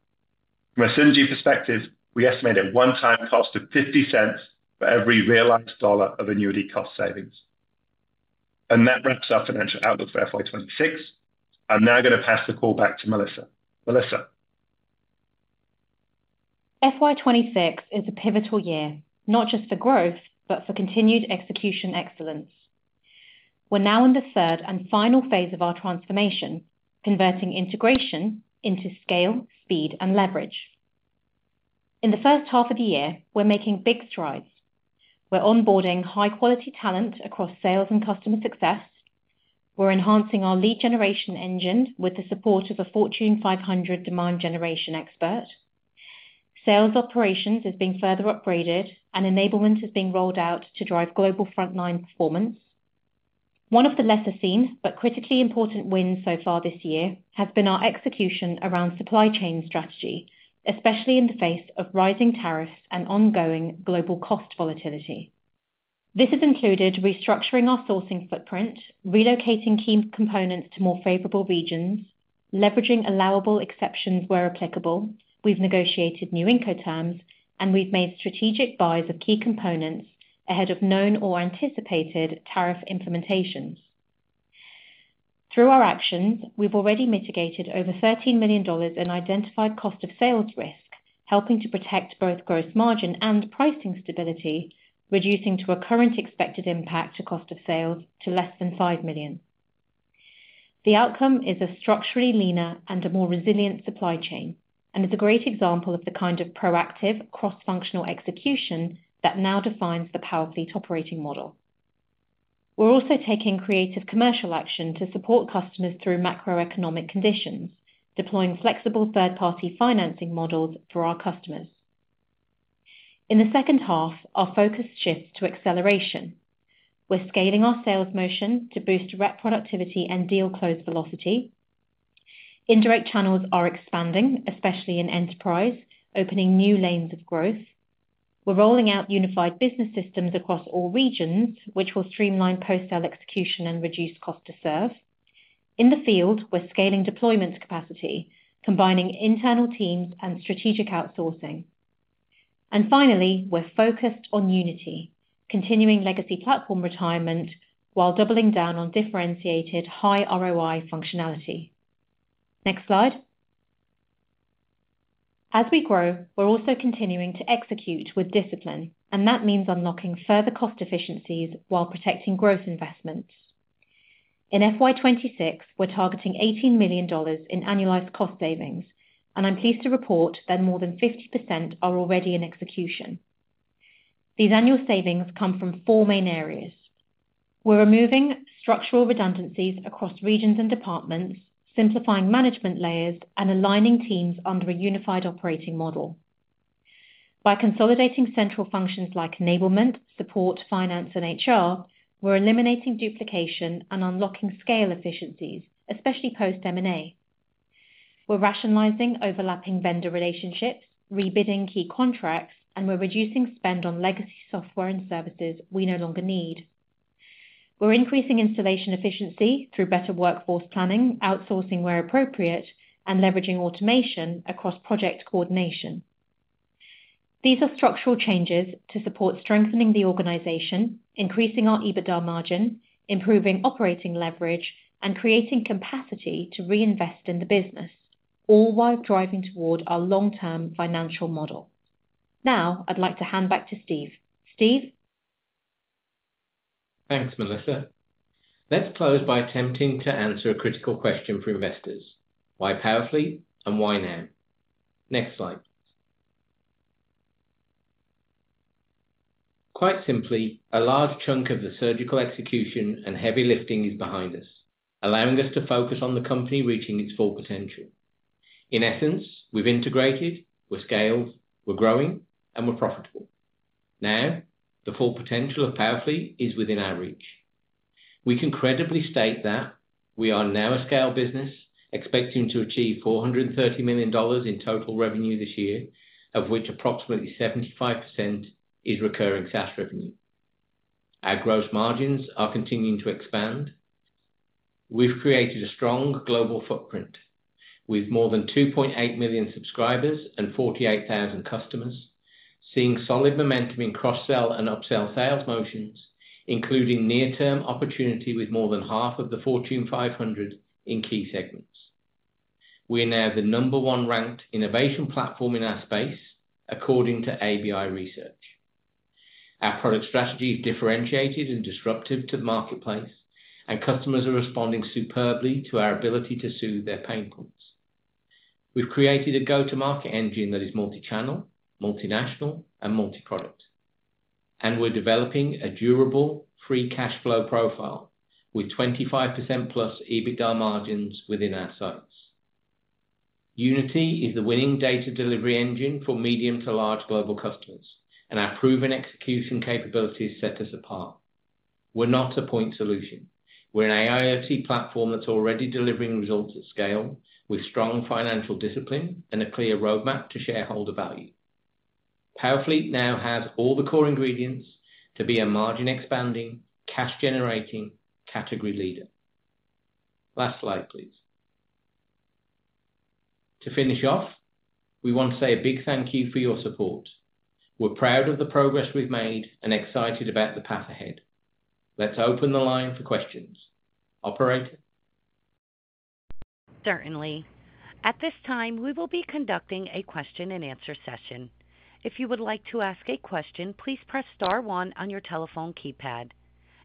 From a synergy perspective, we estimate a one-time cost of $0.50 for every realized dollar of annuity cost savings. That wraps up financial outlook for FY2026. I'm now going to pass the call back to Melissa. Melissa. FY2026 is a pivotal year, not just for growth, but for continued execution excellence. We're now in the third and final phase of our transformation, converting integration into scale, speed, and leverage. In the first half of the year, we're making big strides. We're onboarding high-quality talent across sales and customer success. We're enhancing our lead generation engine with the support of a Fortune 500 demand generation expert. Sales operations are being further upgraded, and enablement is being rolled out to drive global frontline performance. One of the lesser-seen but critically important wins so far this year has been our execution around supply chain strategy, especially in the face of rising tariffs and ongoing global cost volatility. This has included restructuring our sourcing footprint, relocating key components to more favorable regions, leveraging allowable exceptions where applicable. We've negotiated new Incoterms, and we've made strategic buys of key components ahead of known or anticipated tariff implementations. Through our actions, we've already mitigated over $13 million in identified cost of sales risk, helping to protect both gross margin and pricing stability, reducing to a current expected impact to cost of sales to less than $5 million. The outcome is a structurally leaner and a more resilient supply chain, and it's a great example of the kind of proactive, cross-functional execution that now defines the PowerFleet operating model. We're also taking creative commercial action to support customers through macroeconomic conditions, deploying flexible third-party financing models for our customers. In the second half, our focus shifts to acceleration. We're scaling our sales motion to boost rep productivity and deal close velocity. Indirect channels are expanding, especially in enterprise, opening new lanes of growth. We're rolling out unified business systems across all regions, which will streamline post-sale execution and reduce cost to serve. In the field, we're scaling deployment capacity, combining internal teams and strategic outsourcing. Finally, we're focused on Unity, continuing legacy platform retirement while doubling down on differentiated high ROI functionality. Next slide. As we grow, we're also continuing to execute with discipline, and that means unlocking further cost efficiencies while protecting growth investments. In FY2026, we're targeting $18 million in annualized cost savings, and I'm pleased to report that more than 50% are already in execution. These annual savings come from four main areas. We're removing structural redundancies across regions and departments, simplifying management layers, and aligning teams under a unified operating model. By consolidating central functions like enablement, support, finance, and HR, we're eliminating duplication and unlocking scale efficiencies, especially post-M&A. We're rationalizing overlapping vendor relationships, rebidding key contracts, and we're reducing spend on legacy software and services we no longer need. We're increasing installation efficiency through better workforce planning, outsourcing where appropriate, and leveraging automation across project coordination. These are structural changes to support strengthening the organization, increasing our EBITDA margin, improving operating leverage, and creating capacity to reinvest in the business, all while driving toward our long-term financial model. Now, I'd like to hand back to Steve. Steve. Thanks, Melissa. Let's close by attempting to answer a critical question for investors. Why PowerFleet and why now? Next slide, please. Quite simply, a large chunk of the surgical execution and heavy lifting is behind us, allowing us to focus on the company reaching its full potential. In essence, we've integrated, we're scaled, we're growing, and we're profitable. Now, the full potential of PowerFleet is within our reach. We can credibly state that we are now a scale business expecting to achieve $430 million in total revenue this year, of which approximately 75% is recurring SaaS revenue. Our gross margins are continuing to expand. We've created a strong global footprint with more than 2.8 million subscribers and 48,000 customers, seeing solid momentum in cross-sell and upsell sales motions, including near-term opportunity with more than half of the Fortune 500 in key segments. We are now the number one ranked innovation platform in our space, according to ABI Research. Our product strategy is differentiated and disruptive to the marketplace, and customers are responding superbly to our ability to soothe their pain points. We've created a go-to-market engine that is multi-channel, multinational, and multi-product. We are developing a durable free cash flow profile with 25% plus EBITDA margins within our sites. Unity is the winning data delivery engine for medium to large global customers, and our proven execution capabilities set us apart. We're not a point solution. We're an IoT platform that's already delivering results at scale with strong financial discipline and a clear roadmap to shareholder value. PowerFleet now has all the core ingredients to be a margin-expanding, cash-generating category leader. Last slide, please. To finish off, we want to say a big thank you for your support. We're proud of the progress we've made and excited about the path ahead. Let's open the line for questions. Operator. Certainly. At this time, we will be conducting a question-and-answer session. If you would like to ask a question, please press star one on your telephone keypad.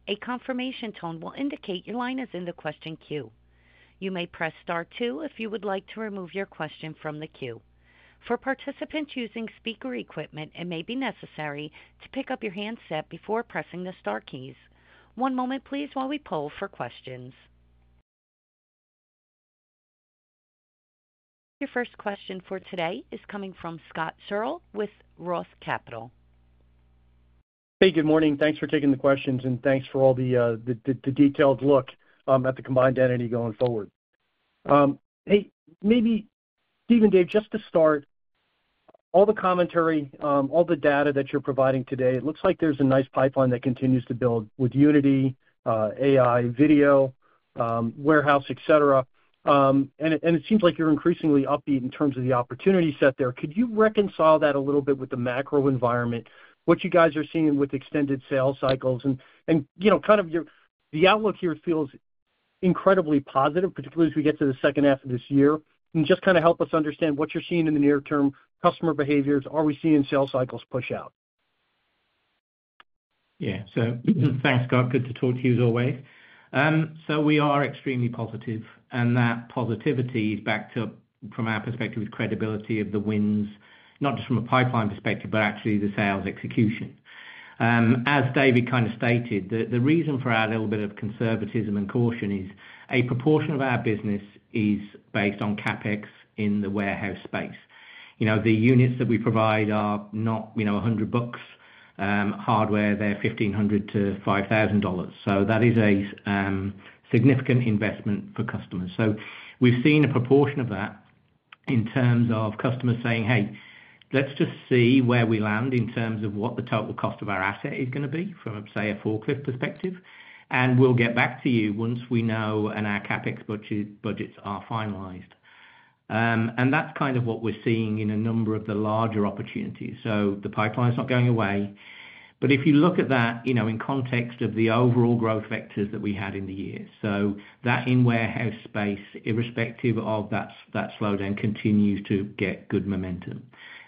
A confirmation tone will indicate your line is in the question queue. You may press star two if you would like to remove your question from the queue. For participants using speaker equipment, it may be necessary to pick up your handset before pressing the star keys. One moment, please, while we poll for questions. Your first question for today is coming from Scott Searle with ROTH Capital. Hey, good morning. Thanks for taking the questions, and thanks for all the detailed look at the combined entity going forward. Hey, maybe Steve and Dave, just to start, all the commentary, all the data that you're providing today, it looks like there's a nice pipeline that continues to build with Unity, AI Video, warehouse, et cetera. It seems like you're increasingly upbeat in terms of the opportunity set there. Could you reconcile that a little bit with the macro environment, what you guys are seeing with extended sales cycles? The outlook here feels incredibly positive, particularly as we get to the second half of this year. Just kind of help us understand what you're seeing in the near-term customer behaviors. Are we seeing sales cycles push out? Yeah. Thanks, Scott. Good to talk to you as always. We are extremely positive, and that positivity is backed up from our perspective with credibility of the wins, not just from a pipeline perspective, but actually the sales execution. As David kind of stated, the reason for our little bit of conservatism and caution is a proportion of our business is based on CapEx in the warehouse space. The units that we provide are not $100 hardware; they're $1,500-$5,000. That is a significant investment for customers. We've seen a proportion of that in terms of customers saying, "Hey, let's just see where we land in terms of what the total cost of our asset is going to be from, say, a forklift perspective. And we'll get back to you once we know and our CapEx budgets are finalized." That's kind of what we're seeing in a number of the larger opportunities. The pipeline's not going away. If you look at that in context of the overall growth vectors that we had in the year, that in-warehouse space, irrespective of that slowdown, continues to get good momentum.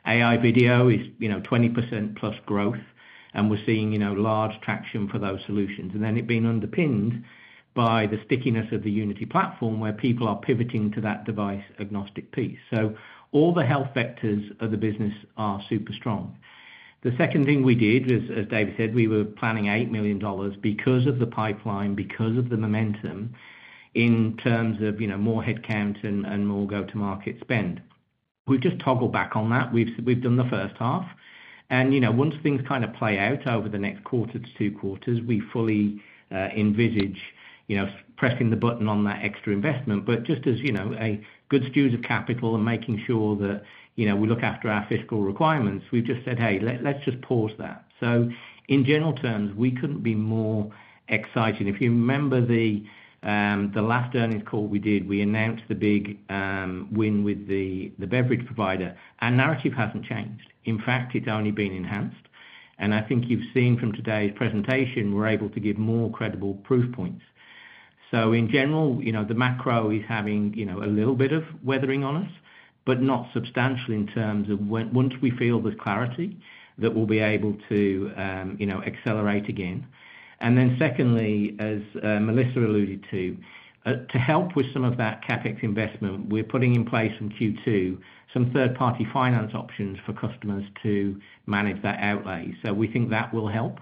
AI Video is 20%+ growth, and we're seeing large traction for those solutions. It is being underpinned by the stickiness of the Unity platform where people are pivoting to that device-agnostic piece. All the health vectors of the business are super strong. The second thing we did was, as David said, we were planning $8 million because of the pipeline, because of the momentum in terms of more headcount and more go-to-market spend. We've just toggled back on that. We've done the first half. Once things kind of play out over the next quarter to two quarters, we fully envisage pressing the button on that extra investment. Just as a good steward of capital and making sure that we look after our fiscal requirements, we've just said, "Hey, let's just pause that." In general terms, we could not be more excited. If you remember the last earnings call we did, we announced the big win with the beverage provider. Our narrative has not changed. In fact, it has only been enhanced. I think you've seen from today's presentation, we're able to give more credible proof points. In general, the macro is having a little bit of weathering on us, but not substantial in terms of once we feel the clarity, that we'll be able to accelerate again. Secondly, as Melissa alluded to, to help with some of that CapEx investment, we're putting in place from Q2 some third-party finance options for customers to manage that outlay. We think that will help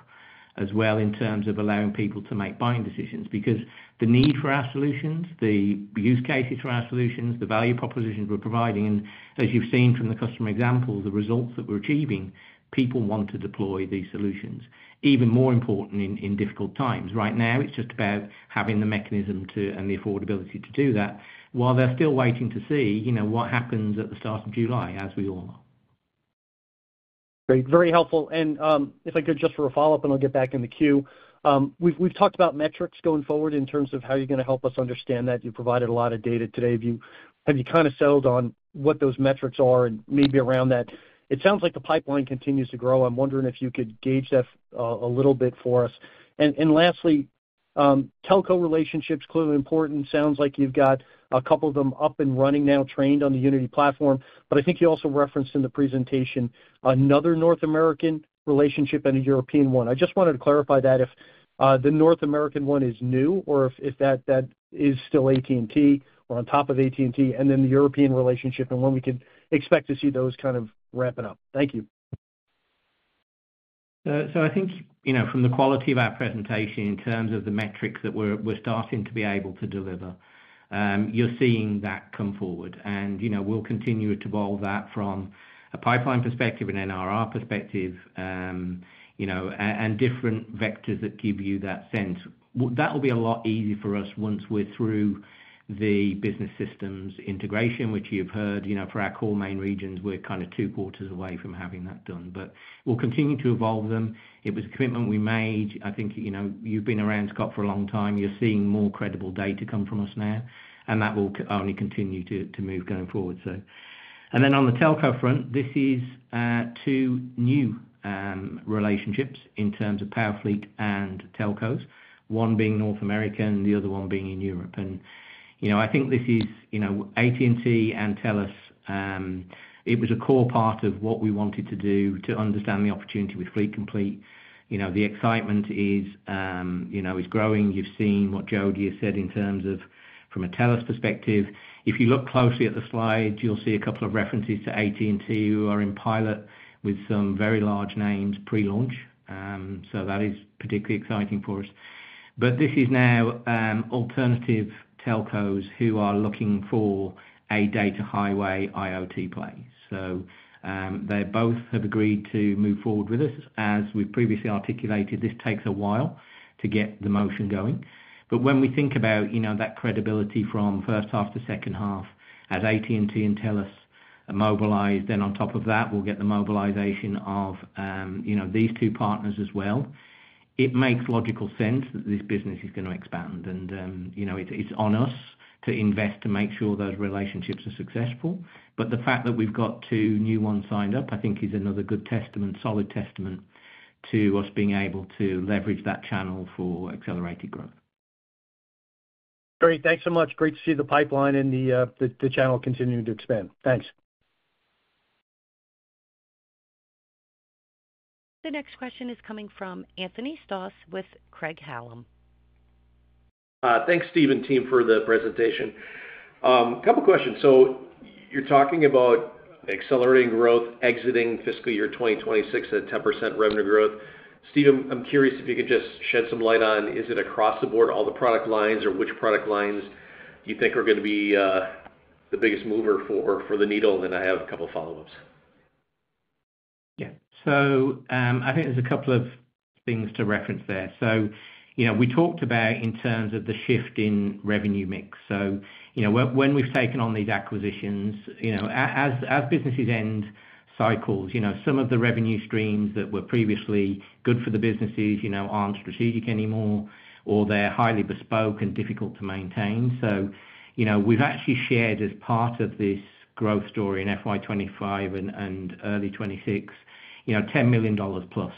as well in terms of allowing people to make buying decisions because the need for our solutions, the use cases for our solutions, the value propositions we're providing, and as you've seen from the customer example, the results that we're achieving, people want to deploy these solutions, even more important in difficult times. Right now, it's just about having the mechanism and the affordability to do that while they're still waiting to see what happens at the start of July, as we all know. Very helpful. If I could, just for a follow-up, I'll get back in the queue, we've talked about metrics going forward in terms of how you're going to help us understand that. You provided a lot of data today. Have you kind of settled on what those metrics are and maybe around that? It sounds like the pipeline continues to grow. I'm wondering if you could gauge that a little bit for us. Lastly, telco relationships, clearly important. Sounds like you've got a couple of them up and running now, trained on the Unity platform. I think you also referenced in the presentation another North American relationship and a European one. I just wanted to clarify that if the North American one is new or if that is still AT&T or on top of AT&T, and then the European relationship and when we could expect to see those kind of wrapping up. Thank you. I think from the quality of our presentation in terms of the metrics that we're starting to be able to deliver, you're seeing that come forward. We'll continue to evolve that from a pipeline perspective and NRR perspective and different vectors that give you that sense. That will be a lot easier for us once we're through the business systems integration, which you've heard. For our core main regions, we're kind of two quarters away from having that done. We'll continue to evolve them. It was a commitment we made. I think you've been around, Scott, for a long time. You're seeing more credible data come from us now, and that will only continue to move going forward. On the telco front, this is two new relationships in terms of PowerFleet and telcos, one being North America and the other one being in Europe. I think this is AT&T and Telus. It was a core part of what we wanted to do to understand the opportunity with Fleet Complete. The excitement is growing. You've seen what Jody has said in terms of from a Telus perspective. If you look closely at the slides, you'll see a couple of references to AT&T who are in pilot with some very large names pre-launch. That is particularly exciting for us. This is now alternative telcos who are looking for a data highway IoT play. They both have agreed to move forward with us. As we've previously articulated, this takes a while to get the motion going. When we think about that credibility from first half to second half as AT&T and Telus mobilize, then on top of that, we'll get the mobilization of these two partners as well. It makes logical sense that this business is going to expand. It's on us to invest to make sure those relationships are successful. The fact that we've got two new ones signed up, I think, is another good testament, solid testament to us being able to leverage that channel for accelerated growth. Great. Thanks so much. Great to see the pipeline and the channel continuing to expand. Thanks. The next question is coming from Anthony Stoss with Craig-Hallum. Thanks, Steve and team, for the presentation. A couple of questions. You're talking about accelerating growth, exiting fiscal year 2026 at 10% revenue growth. Steve, I'm curious if you could just shed some light on, is it across the board, all the product lines, or which product lines do you think are going to be the biggest mover for the needle? I have a couple of follow-ups. Yeah. I think there's a couple of things to reference there. We talked about in terms of the shift in revenue mix. When we've taken on these acquisitions, as businesses end cycles, some of the revenue streams that were previously good for the businesses aren't strategic anymore, or they're highly bespoke and difficult to maintain. We have actually shared as part of this growth story in FY2025 and early 2026, $10+ million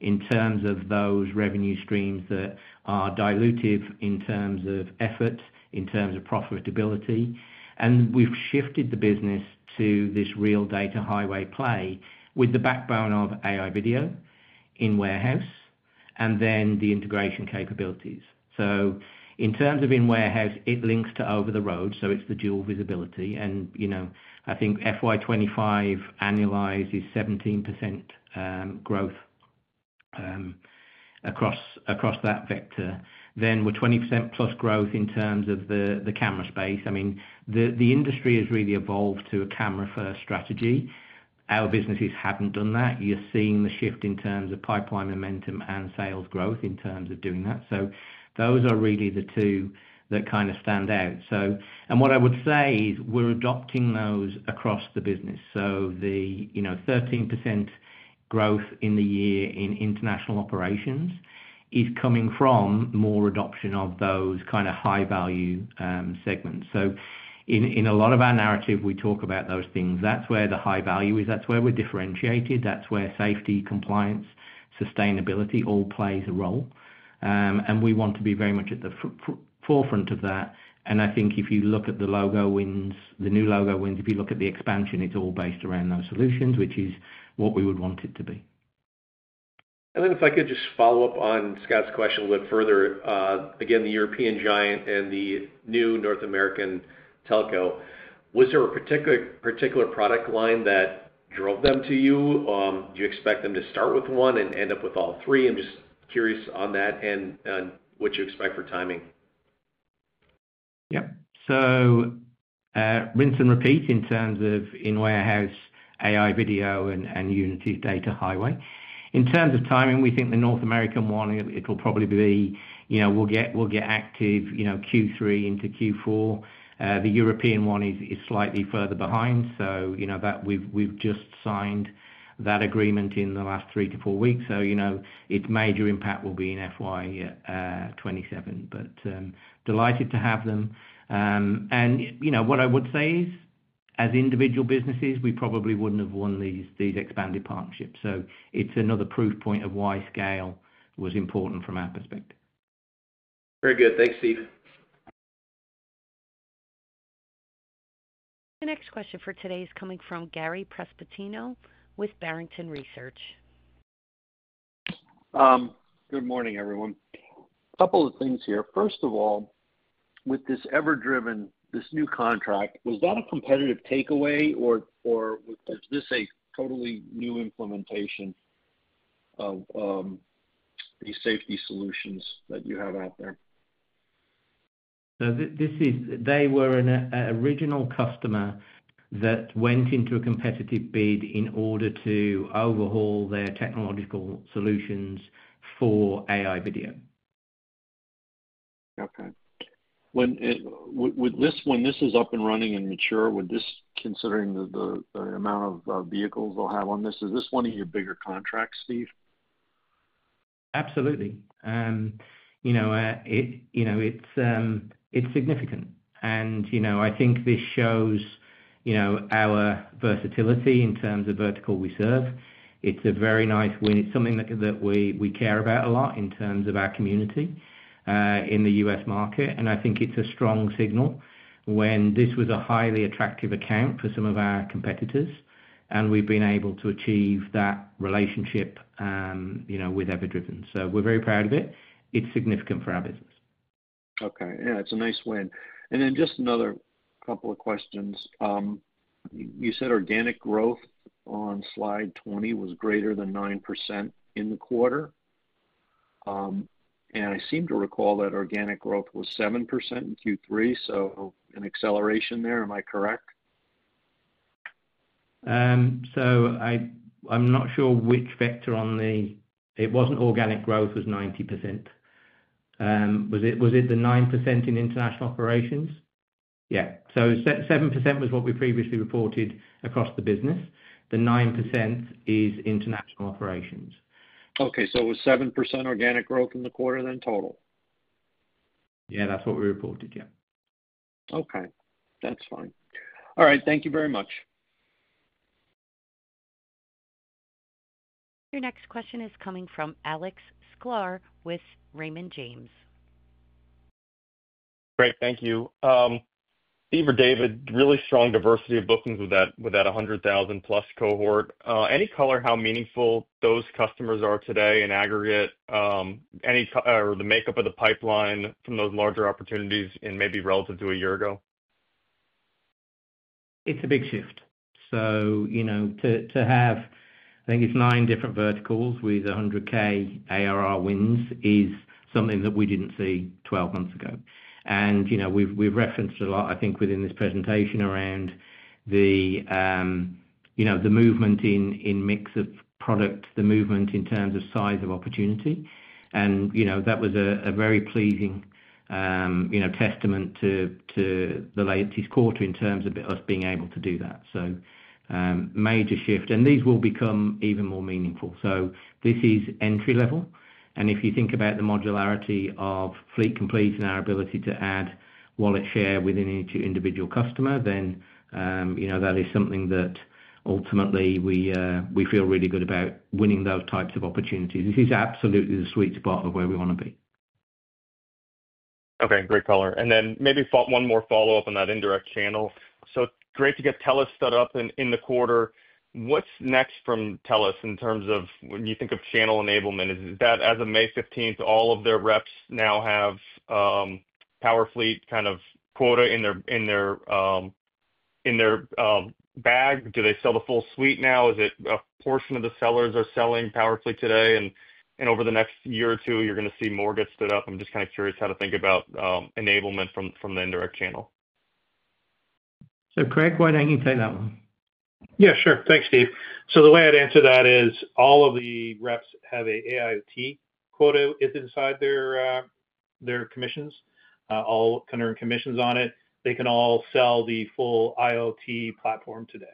in terms of those revenue streams that are dilutive in terms of effort, in terms of profitability. We have shifted the business to this real Data Highway play with the backbone of AI Video In Warehouse and then the integration capabilities. In terms of In Warehouse, it links to over the road. It is the dual visibility. I think FY2025 annualized is 17% growth across that vector. We are 20%+ growth in terms of the camera space. I mean, the industry has really evolved to a camera-first strategy. Our businesses have not done that. You are seeing the shift in terms of pipeline momentum and sales growth in terms of doing that. Those are really the two that kind of stand out. What I would say is we're adopting those across the business. The 13% growth in the year in international operations is coming from more adoption of those kind of high-value segments. In a lot of our narrative, we talk about those things. That's where the high value is. That's where we're differentiated. That's where safety, compliance, sustainability all plays a role. We want to be very much at the forefront of that. I think if you look at the logo wins, the new logo wins, if you look at the expansion, it's all based around those solutions, which is what we would want it to be. If I could just follow up on Scott's question a little bit further. Again, the European giant and the new North American telco, was there a particular product line that drove them to you? Do you expect them to start with one and end up with all three? I'm just curious on that and what you expect for timing. Yep. Rinse and repeat in terms of in warehouse, AI Video, and Unity Data Highway. In terms of timing, we think the North American one, it will probably be we'll get active Q3 into Q4. The European one is slightly further behind. We have just signed that agreement in the last three to four weeks. Its major impact will be in FY2027. Delighted to have them. What I would say is, as individual businesses, we probably wouldn't have won these expanded partnerships. It is another proof point of why scale was important from our perspective. Very good. Thanks, Steve. The next question for today is coming from Gary Prestopino with Barrington Research. Good morning, everyone. A couple of things here. First of all, with this EverDriven, this new contract, was that a competitive takeaway, or was this a totally new implementation of these safety solutions that you have out there? They were an original customer that went into a competitive bid in order to overhaul their technological solutions for AI Video. Okay. When this is up and running and mature, considering the amount of vehicles they'll have on this, is this one of your bigger contracts, Steve? Absolutely. It is significant. I think this shows our versatility in terms of vertical we serve. It is a very nice win. It is something that we care about a lot in terms of our community in the U.S. market. I think it is a strong signal when this was a highly attractive account for some of our competitors. We have been able to achieve that relationship with EverDriven. We're very proud of it. It's significant for our business. Okay. Yeah. It's a nice win. Just another couple of questions. You said organic growth on slide 20 was greater than 9% in the quarter. I seem to recall that organic growth was 7% in Q3, so an acceleration there. Am I correct? I'm not sure which vector on the—it wasn't organic growth was 9%. Was it the 9% in international operations? Yeah. So 7% was what we previously reported across the business. The 9% is international operations. Okay. So it was 7% organic growth in the quarter then total? Yeah. That's what we reported. Yeah. Okay. That's fine. All right. Thank you very much. Your next question is coming from Alex Sklar with Raymond James. Great. Thank you. Steve or David, really strong diversity of bookings with that $100,000+ cohort. Any color how meaningful those customers are today in aggregate or the makeup of the pipeline from those larger opportunities and maybe relative to a year ago? It's a big shift. To have, I think, nine different verticals with $100,000 ARR wins is something that we didn't see 12 months ago. We've referenced a lot, I think, within this presentation around the movement in mix of product, the movement in terms of size of opportunity. That was a very pleasing testament to the latest quarter in terms of us being able to do that. Major shift. These will become even more meaningful. This is entry-level. If you think about the modularity of Fleet Complete and our ability to add wallet share within each individual customer, that is something that ultimately we feel really good about, winning those types of opportunities. This is absolutely the sweet spot of where we want to be. Okay. Great color. Maybe one more follow-up on that indirect channel. Great to get Telus set up in the quarter. What's next from Telus in terms of when you think of channel enablement? Is that as of May 15th, all of their reps now have PowerFleet kind of quota in their bag? Do they sell the full suite now? Is it a portion of the sellers are selling PowerFleet today? Over the next year or two, you're going to see more get stood up. I'm just kind of curious how to think about enablement from the indirect channel. Craig, go ahead. I can take that one. Yeah. Sure. Thanks, Steve. The way I'd answer that is all of the reps have an AIOT quota inside their commissions, all kind of commissions on it. They can all sell the full IoT platform today.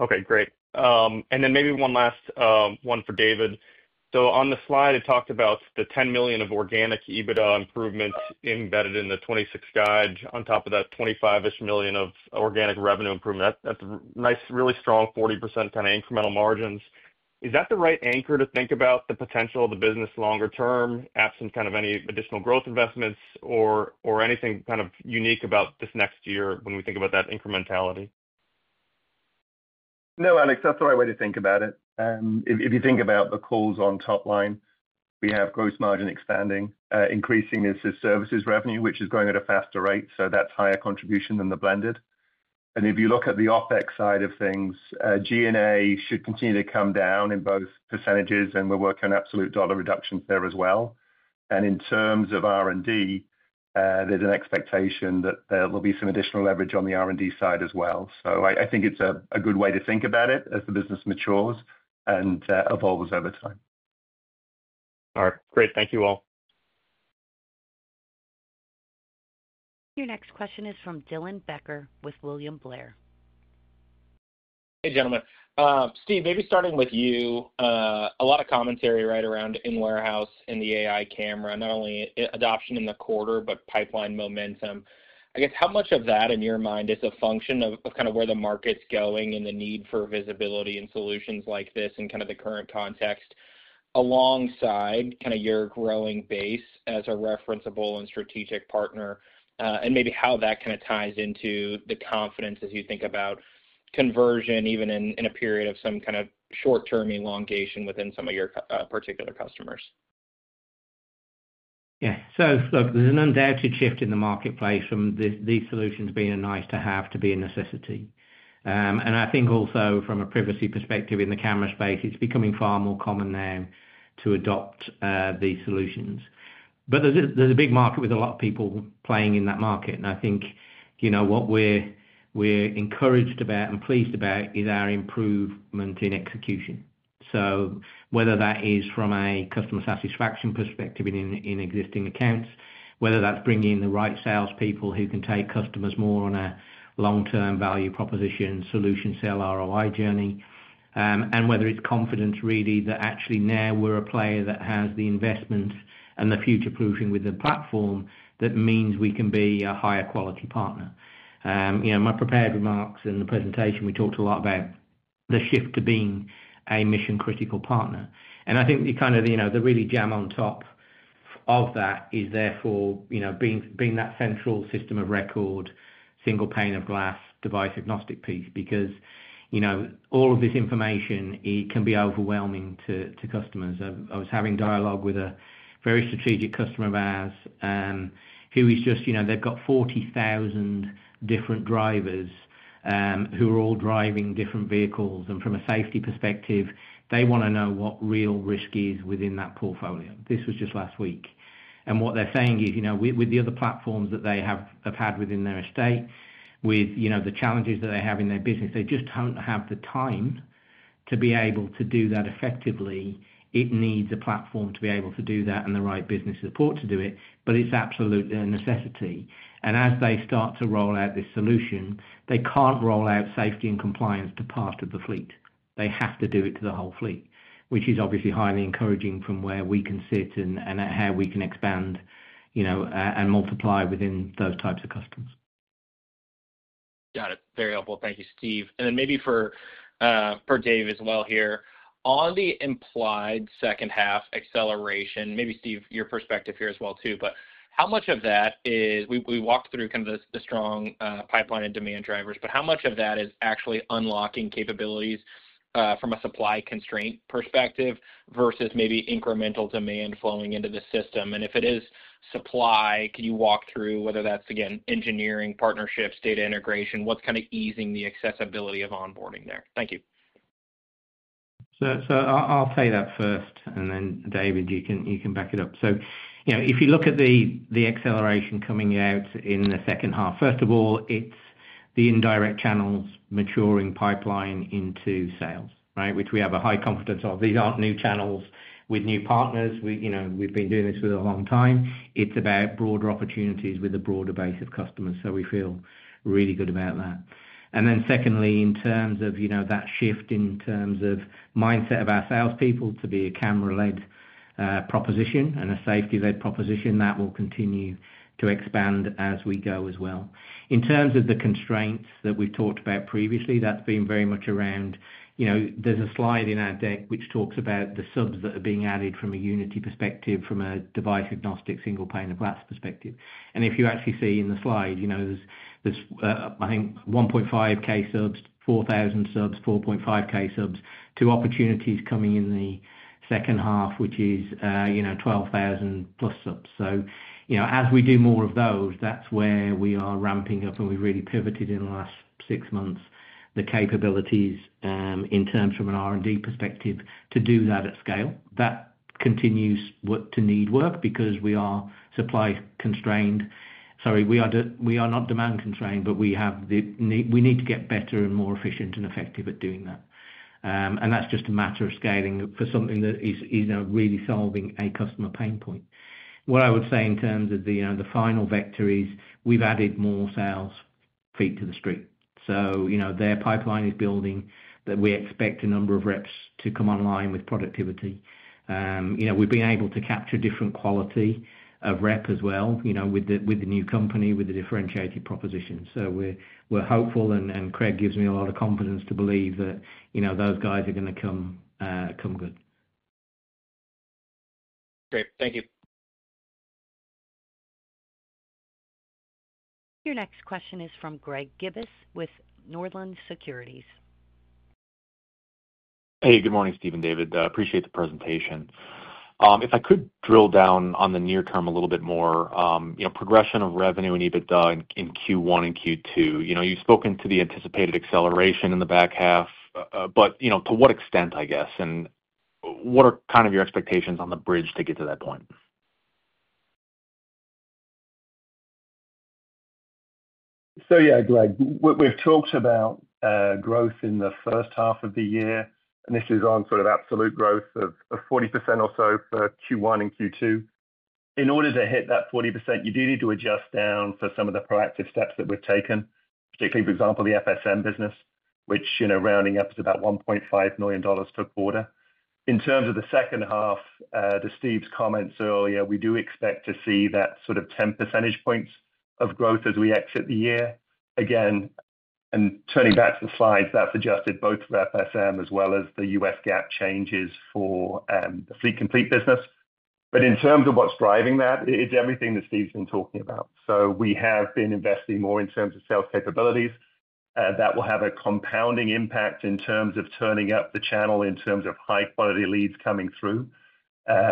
Okay. Great. Maybe one last one for David. On the slide, it talked about the $10 million of organic EBITDA improvements embedded in the 2026 guide. On top of that, $25 million of organic revenue improvement. That's a nice, really strong 40% kind of incremental margins. Is that the right anchor to think about the potential of the business longer term, absent kind of any additional growth investments or anything kind of unique about this next year when we think about that incrementality? No, Alex, that's the right way to think about it. If you think about the calls on top line, we have gross margin expanding, increasing services revenue, which is going at a faster rate. That is higher contribution than the blended. If you look at the OpEx side of things, G&A should continue to come down in both percentages, and we are working on absolute dollar reductions there as well. In terms of R and D, there is an expectation that there will be some additional leverage on the R and D side as well. I think it is a good way to think about it as the business matures and evolves over time. All right. Great. Thank you all. Your next question is from Dylan Becker with William Blair. Hey, gentlemen. Steve, maybe starting with you, a lot of commentary right around In Warehouse and the AI camera, not only adoption in the quarter, but pipeline momentum. I guess how much of that, in your mind, is a function of kind of where the market's going and the need for visibility and solutions like this in kind of the current context alongside kind of your growing base as a referenceable and strategic partner and maybe how that kind of ties into the confidence as you think about conversion, even in a period of some kind of short-term elongation within some of your particular customers? Yeah. Look, there's an undoubted shift in the marketplace from these solutions being a nice-to-have to being a necessity. I think also from a privacy perspective in the camera space, it's becoming far more common now to adopt these solutions. There's a big market with a lot of people playing in that market. I think what we're encouraged about and pleased about is our improvement in execution. Whether that is from a customer satisfaction perspective in existing accounts, whether that's bringing in the right salespeople who can take customers more on a long-term value proposition solution sale ROI journey, and whether it's confidence really that actually now we're a player that has the investment and the future-proofing with the platform that means we can be a higher-quality partner. My prepared remarks in the presentation, we talked a lot about the shift to being a mission-critical partner. I think kind of the really jam on top of that is therefore being that central system of record, single pane of glass, device-agnostic piece because all of this information, it can be overwhelming to customers. I was having dialogue with a very strategic customer of ours who is just they've got 40,000 different drivers who are all driving different vehicles. From a safety perspective, they want to know what real risk is within that portfolio. This was just last week. What they are saying is with the other platforms that they have had within their estate, with the challenges that they have in their business, they just do not have the time to be able to do that effectively. It needs a platform to be able to do that and the right business support to do it, but it is absolutely a necessity. As they start to roll out this solution, they cannot roll out safety and compliance to part of the fleet. They have to do it to the whole fleet, which is obviously highly encouraging from where we can sit and how we can expand and multiply within those types of customers. Got it. Very helpful. Thank you, Steve. Maybe for Dave as well here, on the implied second-half acceleration, maybe, Steve, your perspective here as well too, but how much of that is we walked through kind of the strong pipeline and demand drivers, but how much of that is actually unlocking capabilities from a supply constraint perspective versus maybe incremental demand flowing into the system? If it is supply, can you walk through whether that's, again, engineering, partnerships, data integration? What's kind of easing the accessibility of onboarding there? Thank you. I'll say that first. David, you can back it up. If you look at the acceleration coming out in the second half, first of all, it's the indirect channels maturing pipeline into sales, right, which we have a high confidence of. These aren't new channels with new partners. We've been doing this for a long time. It's about broader opportunities with a broader base of customers. We feel really good about that. Secondly, in terms of that shift in terms of mindset of our salespeople to be a camera-led proposition and a safety-led proposition, that will continue to expand as we go as well. In terms of the constraints that we've talked about previously, that's been very much around there's a slide in our deck which talks about the subs that are being added from a Unity perspective, from a device-agnostic single pane of glass perspective. If you actually see in the slide, there's, I think, 1,500 subs, 4,000 subs, 4,500 subs, two opportunities coming in the second half, which is 12,000+ subs. As we do more of those, that's where we are ramping up, and we've really pivoted in the last six months, the capabilities in terms from an R and D perspective to do that at scale. That continues to need work because we are supply-constrained. Sorry, we are not demand-constrained, but we need to get better and more efficient and effective at doing that. That's just a matter of scaling for something that is really solving a customer pain point. What I would say in terms of the final vector is we've added more sales feet to the street. Their pipeline is building that we expect a number of reps to come online with productivity. We've been able to capture different quality of rep as well with the new company with the differentiated proposition. We're hopeful, and Craig gives me a lot of confidence to believe that those guys are going to come good. Great. Thank you. Your next question is from Greg Gibas with Northland Securities. Hey, good morning, Steve and David. Appreciate the presentation. If I could drill down on the near term a little bit more, progression of revenue and EBITDA in Q1 and Q2. You've spoken to the anticipated acceleration in the back half, but to what extent, I guess? What are kind of your expectations on the bridge to get to that point? Yeah, Greg, we've talked about growth in the first half of the year, and this is on sort of absolute growth of 40% or so for Q1 and Q2. In order to hit that 40%, you do need to adjust down for some of the proactive steps that we've taken, particularly, for example, the FSM business, which rounding up is about $1.5 million per quarter. In terms of the second half, to Steve's comments earlier, we do expect to see that sort of 10 percentage points of growth as we exit the year. Again, and turning back to the slides, that's adjusted both for FSM as well as the U.S. GAAP changes for the Fleet Complete business. In terms of what's driving that, it's everything that Steve's been talking about. We have been investing more in terms of sales capabilities. That will have a compounding impact in terms of turning up the channel in terms of high-quality leads coming through.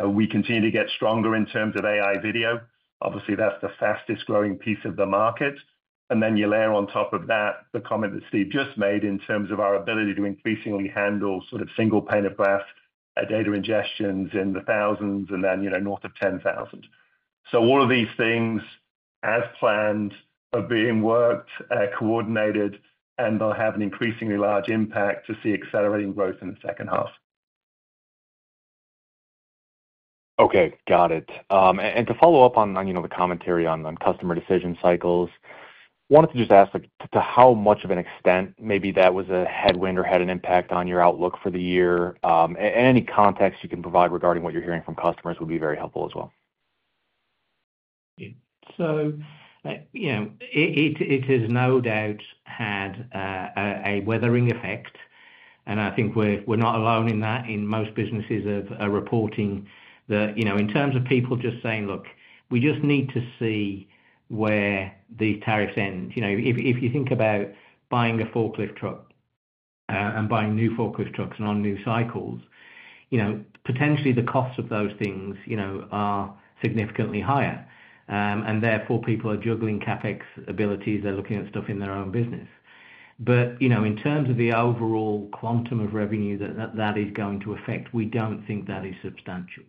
We continue to get stronger in terms of AI Video. Obviously, that's the fastest-growing piece of the market. Then you layer on top of that the comment that Steve just made in terms of our ability to increasingly handle sort of single pane of glass data ingestions in the thousands and then north of 10,000. All of these things, as planned, are being worked, coordinated, and they'll have an increasingly large impact to see accelerating growth in the second half. Okay. Got it. To follow up on the commentary on customer decision cycles, wanted to just ask to how much of an extent maybe that was a headwind or had an impact on your outlook for the year. Any context you can provide regarding what you're hearing from customers would be very helpful as well. It has no doubt had a weathering effect. I think we're not alone in that. In most businesses of reporting that in terms of people just saying, "Look, we just need to see where these tariffs end." If you think about buying a forklift truck and buying new forklift trucks and on new cycles, potentially the costs of those things are significantly higher. Therefore, people are juggling CapEx abilities. They're looking at stuff in their own business. In terms of the overall quantum of revenue that that is going to affect, we don't think that is substantial.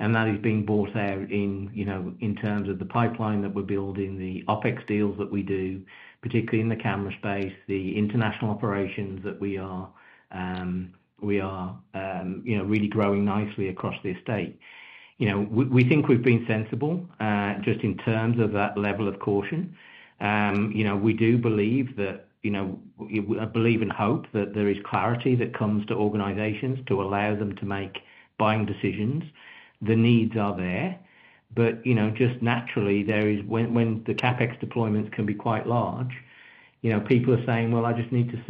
That is being bought out in terms of the pipeline that we're building, the OpEx deals that we do, particularly in the camera space, the international operations that we are really growing nicely across the estate. We think we've been sensible just in terms of that level of caution. We do believe that I believe and hope that there is clarity that comes to organizations to allow them to make buying decisions. The needs are there. Just naturally, when the CapEx deployments can be quite large, people are saying, "Well, I just need to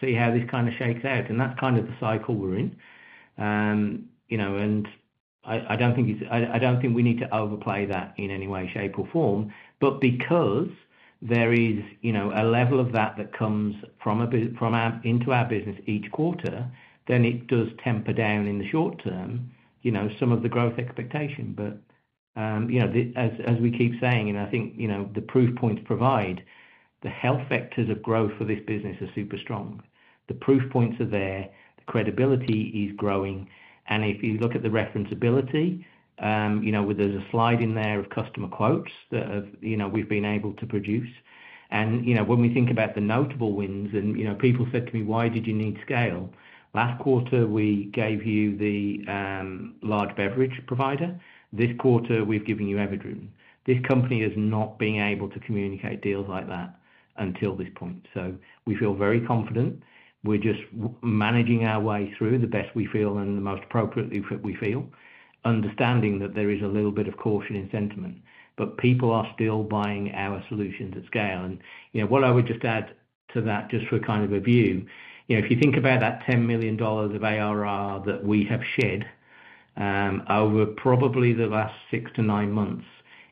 see how this kind of shakes out." That is kind of the cycle we're in. I don't think we need to overplay that in any way, shape, or form. Because there is a level of that that comes into our business each quarter, it does temper down in the short term some of the growth expectation. As we keep saying, and I think the proof points provide, the health factors of growth for this business are super strong. The proof points are there. The credibility is growing. If you look at the referenceability, there is a slide in there of customer quotes that we have been able to produce. When we think about the notable wins, and people said to me, "Why did you need scale? Last quarter, we gave you the large beverage provider. This quarter, we have given you EverDriven." This company has not been able to communicate deals like that until this point. We feel very confident. We are just managing our way through the best we feel and the most appropriately we feel, understanding that there is a little bit of caution in sentiment. People are still buying our solutions at scale. What I would just add to that, just for kind of a view, if you think about that $10 million of ARR that we have shed over probably the last six to nine months,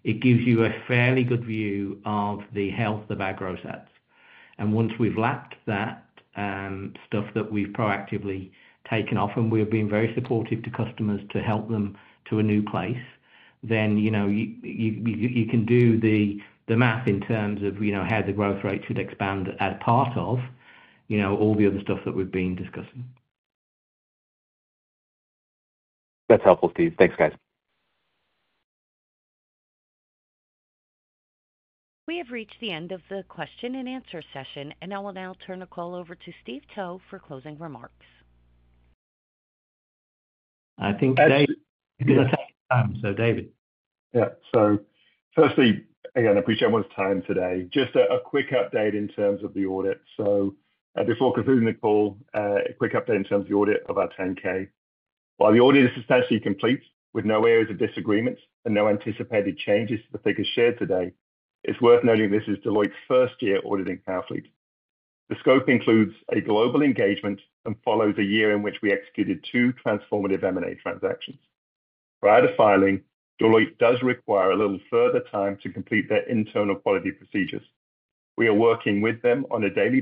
it gives you a fairly good view of the health of our growth stats. Once we have lapped that stuff that we have proactively taken off, and we have been very supportive to customers to help them to a new place, then you can do the math in terms of how the growth rate should expand as part of all the other stuff that we have been discussing. That is helpful, Steve. Thanks, guys. We have reached the end of the question-and-answer session, and I will now turn the call over to Steve Towe for closing remarks. I think Dave is going to take his time. So, David. Yeah. Firstly, again, I appreciate everyone's time today. Just a quick update in terms of the audit. Before concluding the call, a quick update in terms of the audit of our 10K. While the audit is substantially complete with no areas of disagreement and no anticipated changes to the figures shared today, it's worth noting this is Deloitte's first year auditing our fleet. The scope includes a global engagement and follows a year in which we executed two transformative M&A transactions. Prior to filing, Deloitte does require a little further time to complete their internal quality procedures. We are working with them on a daily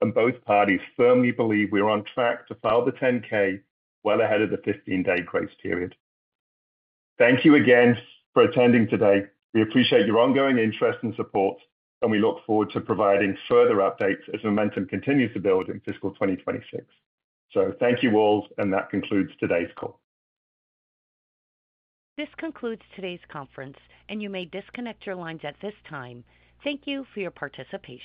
basis, and both parties firmly believe we are on track to file the 10K well ahead of the 15-day grace period. Thank you again for attending today. We appreciate your ongoing interest and support, and we look forward to providing further updates as momentum continues to build in fiscal 2026. Thank you all, and that concludes today's call. This concludes today's conference, and you may disconnect your lines at this time. Thank you for your participation.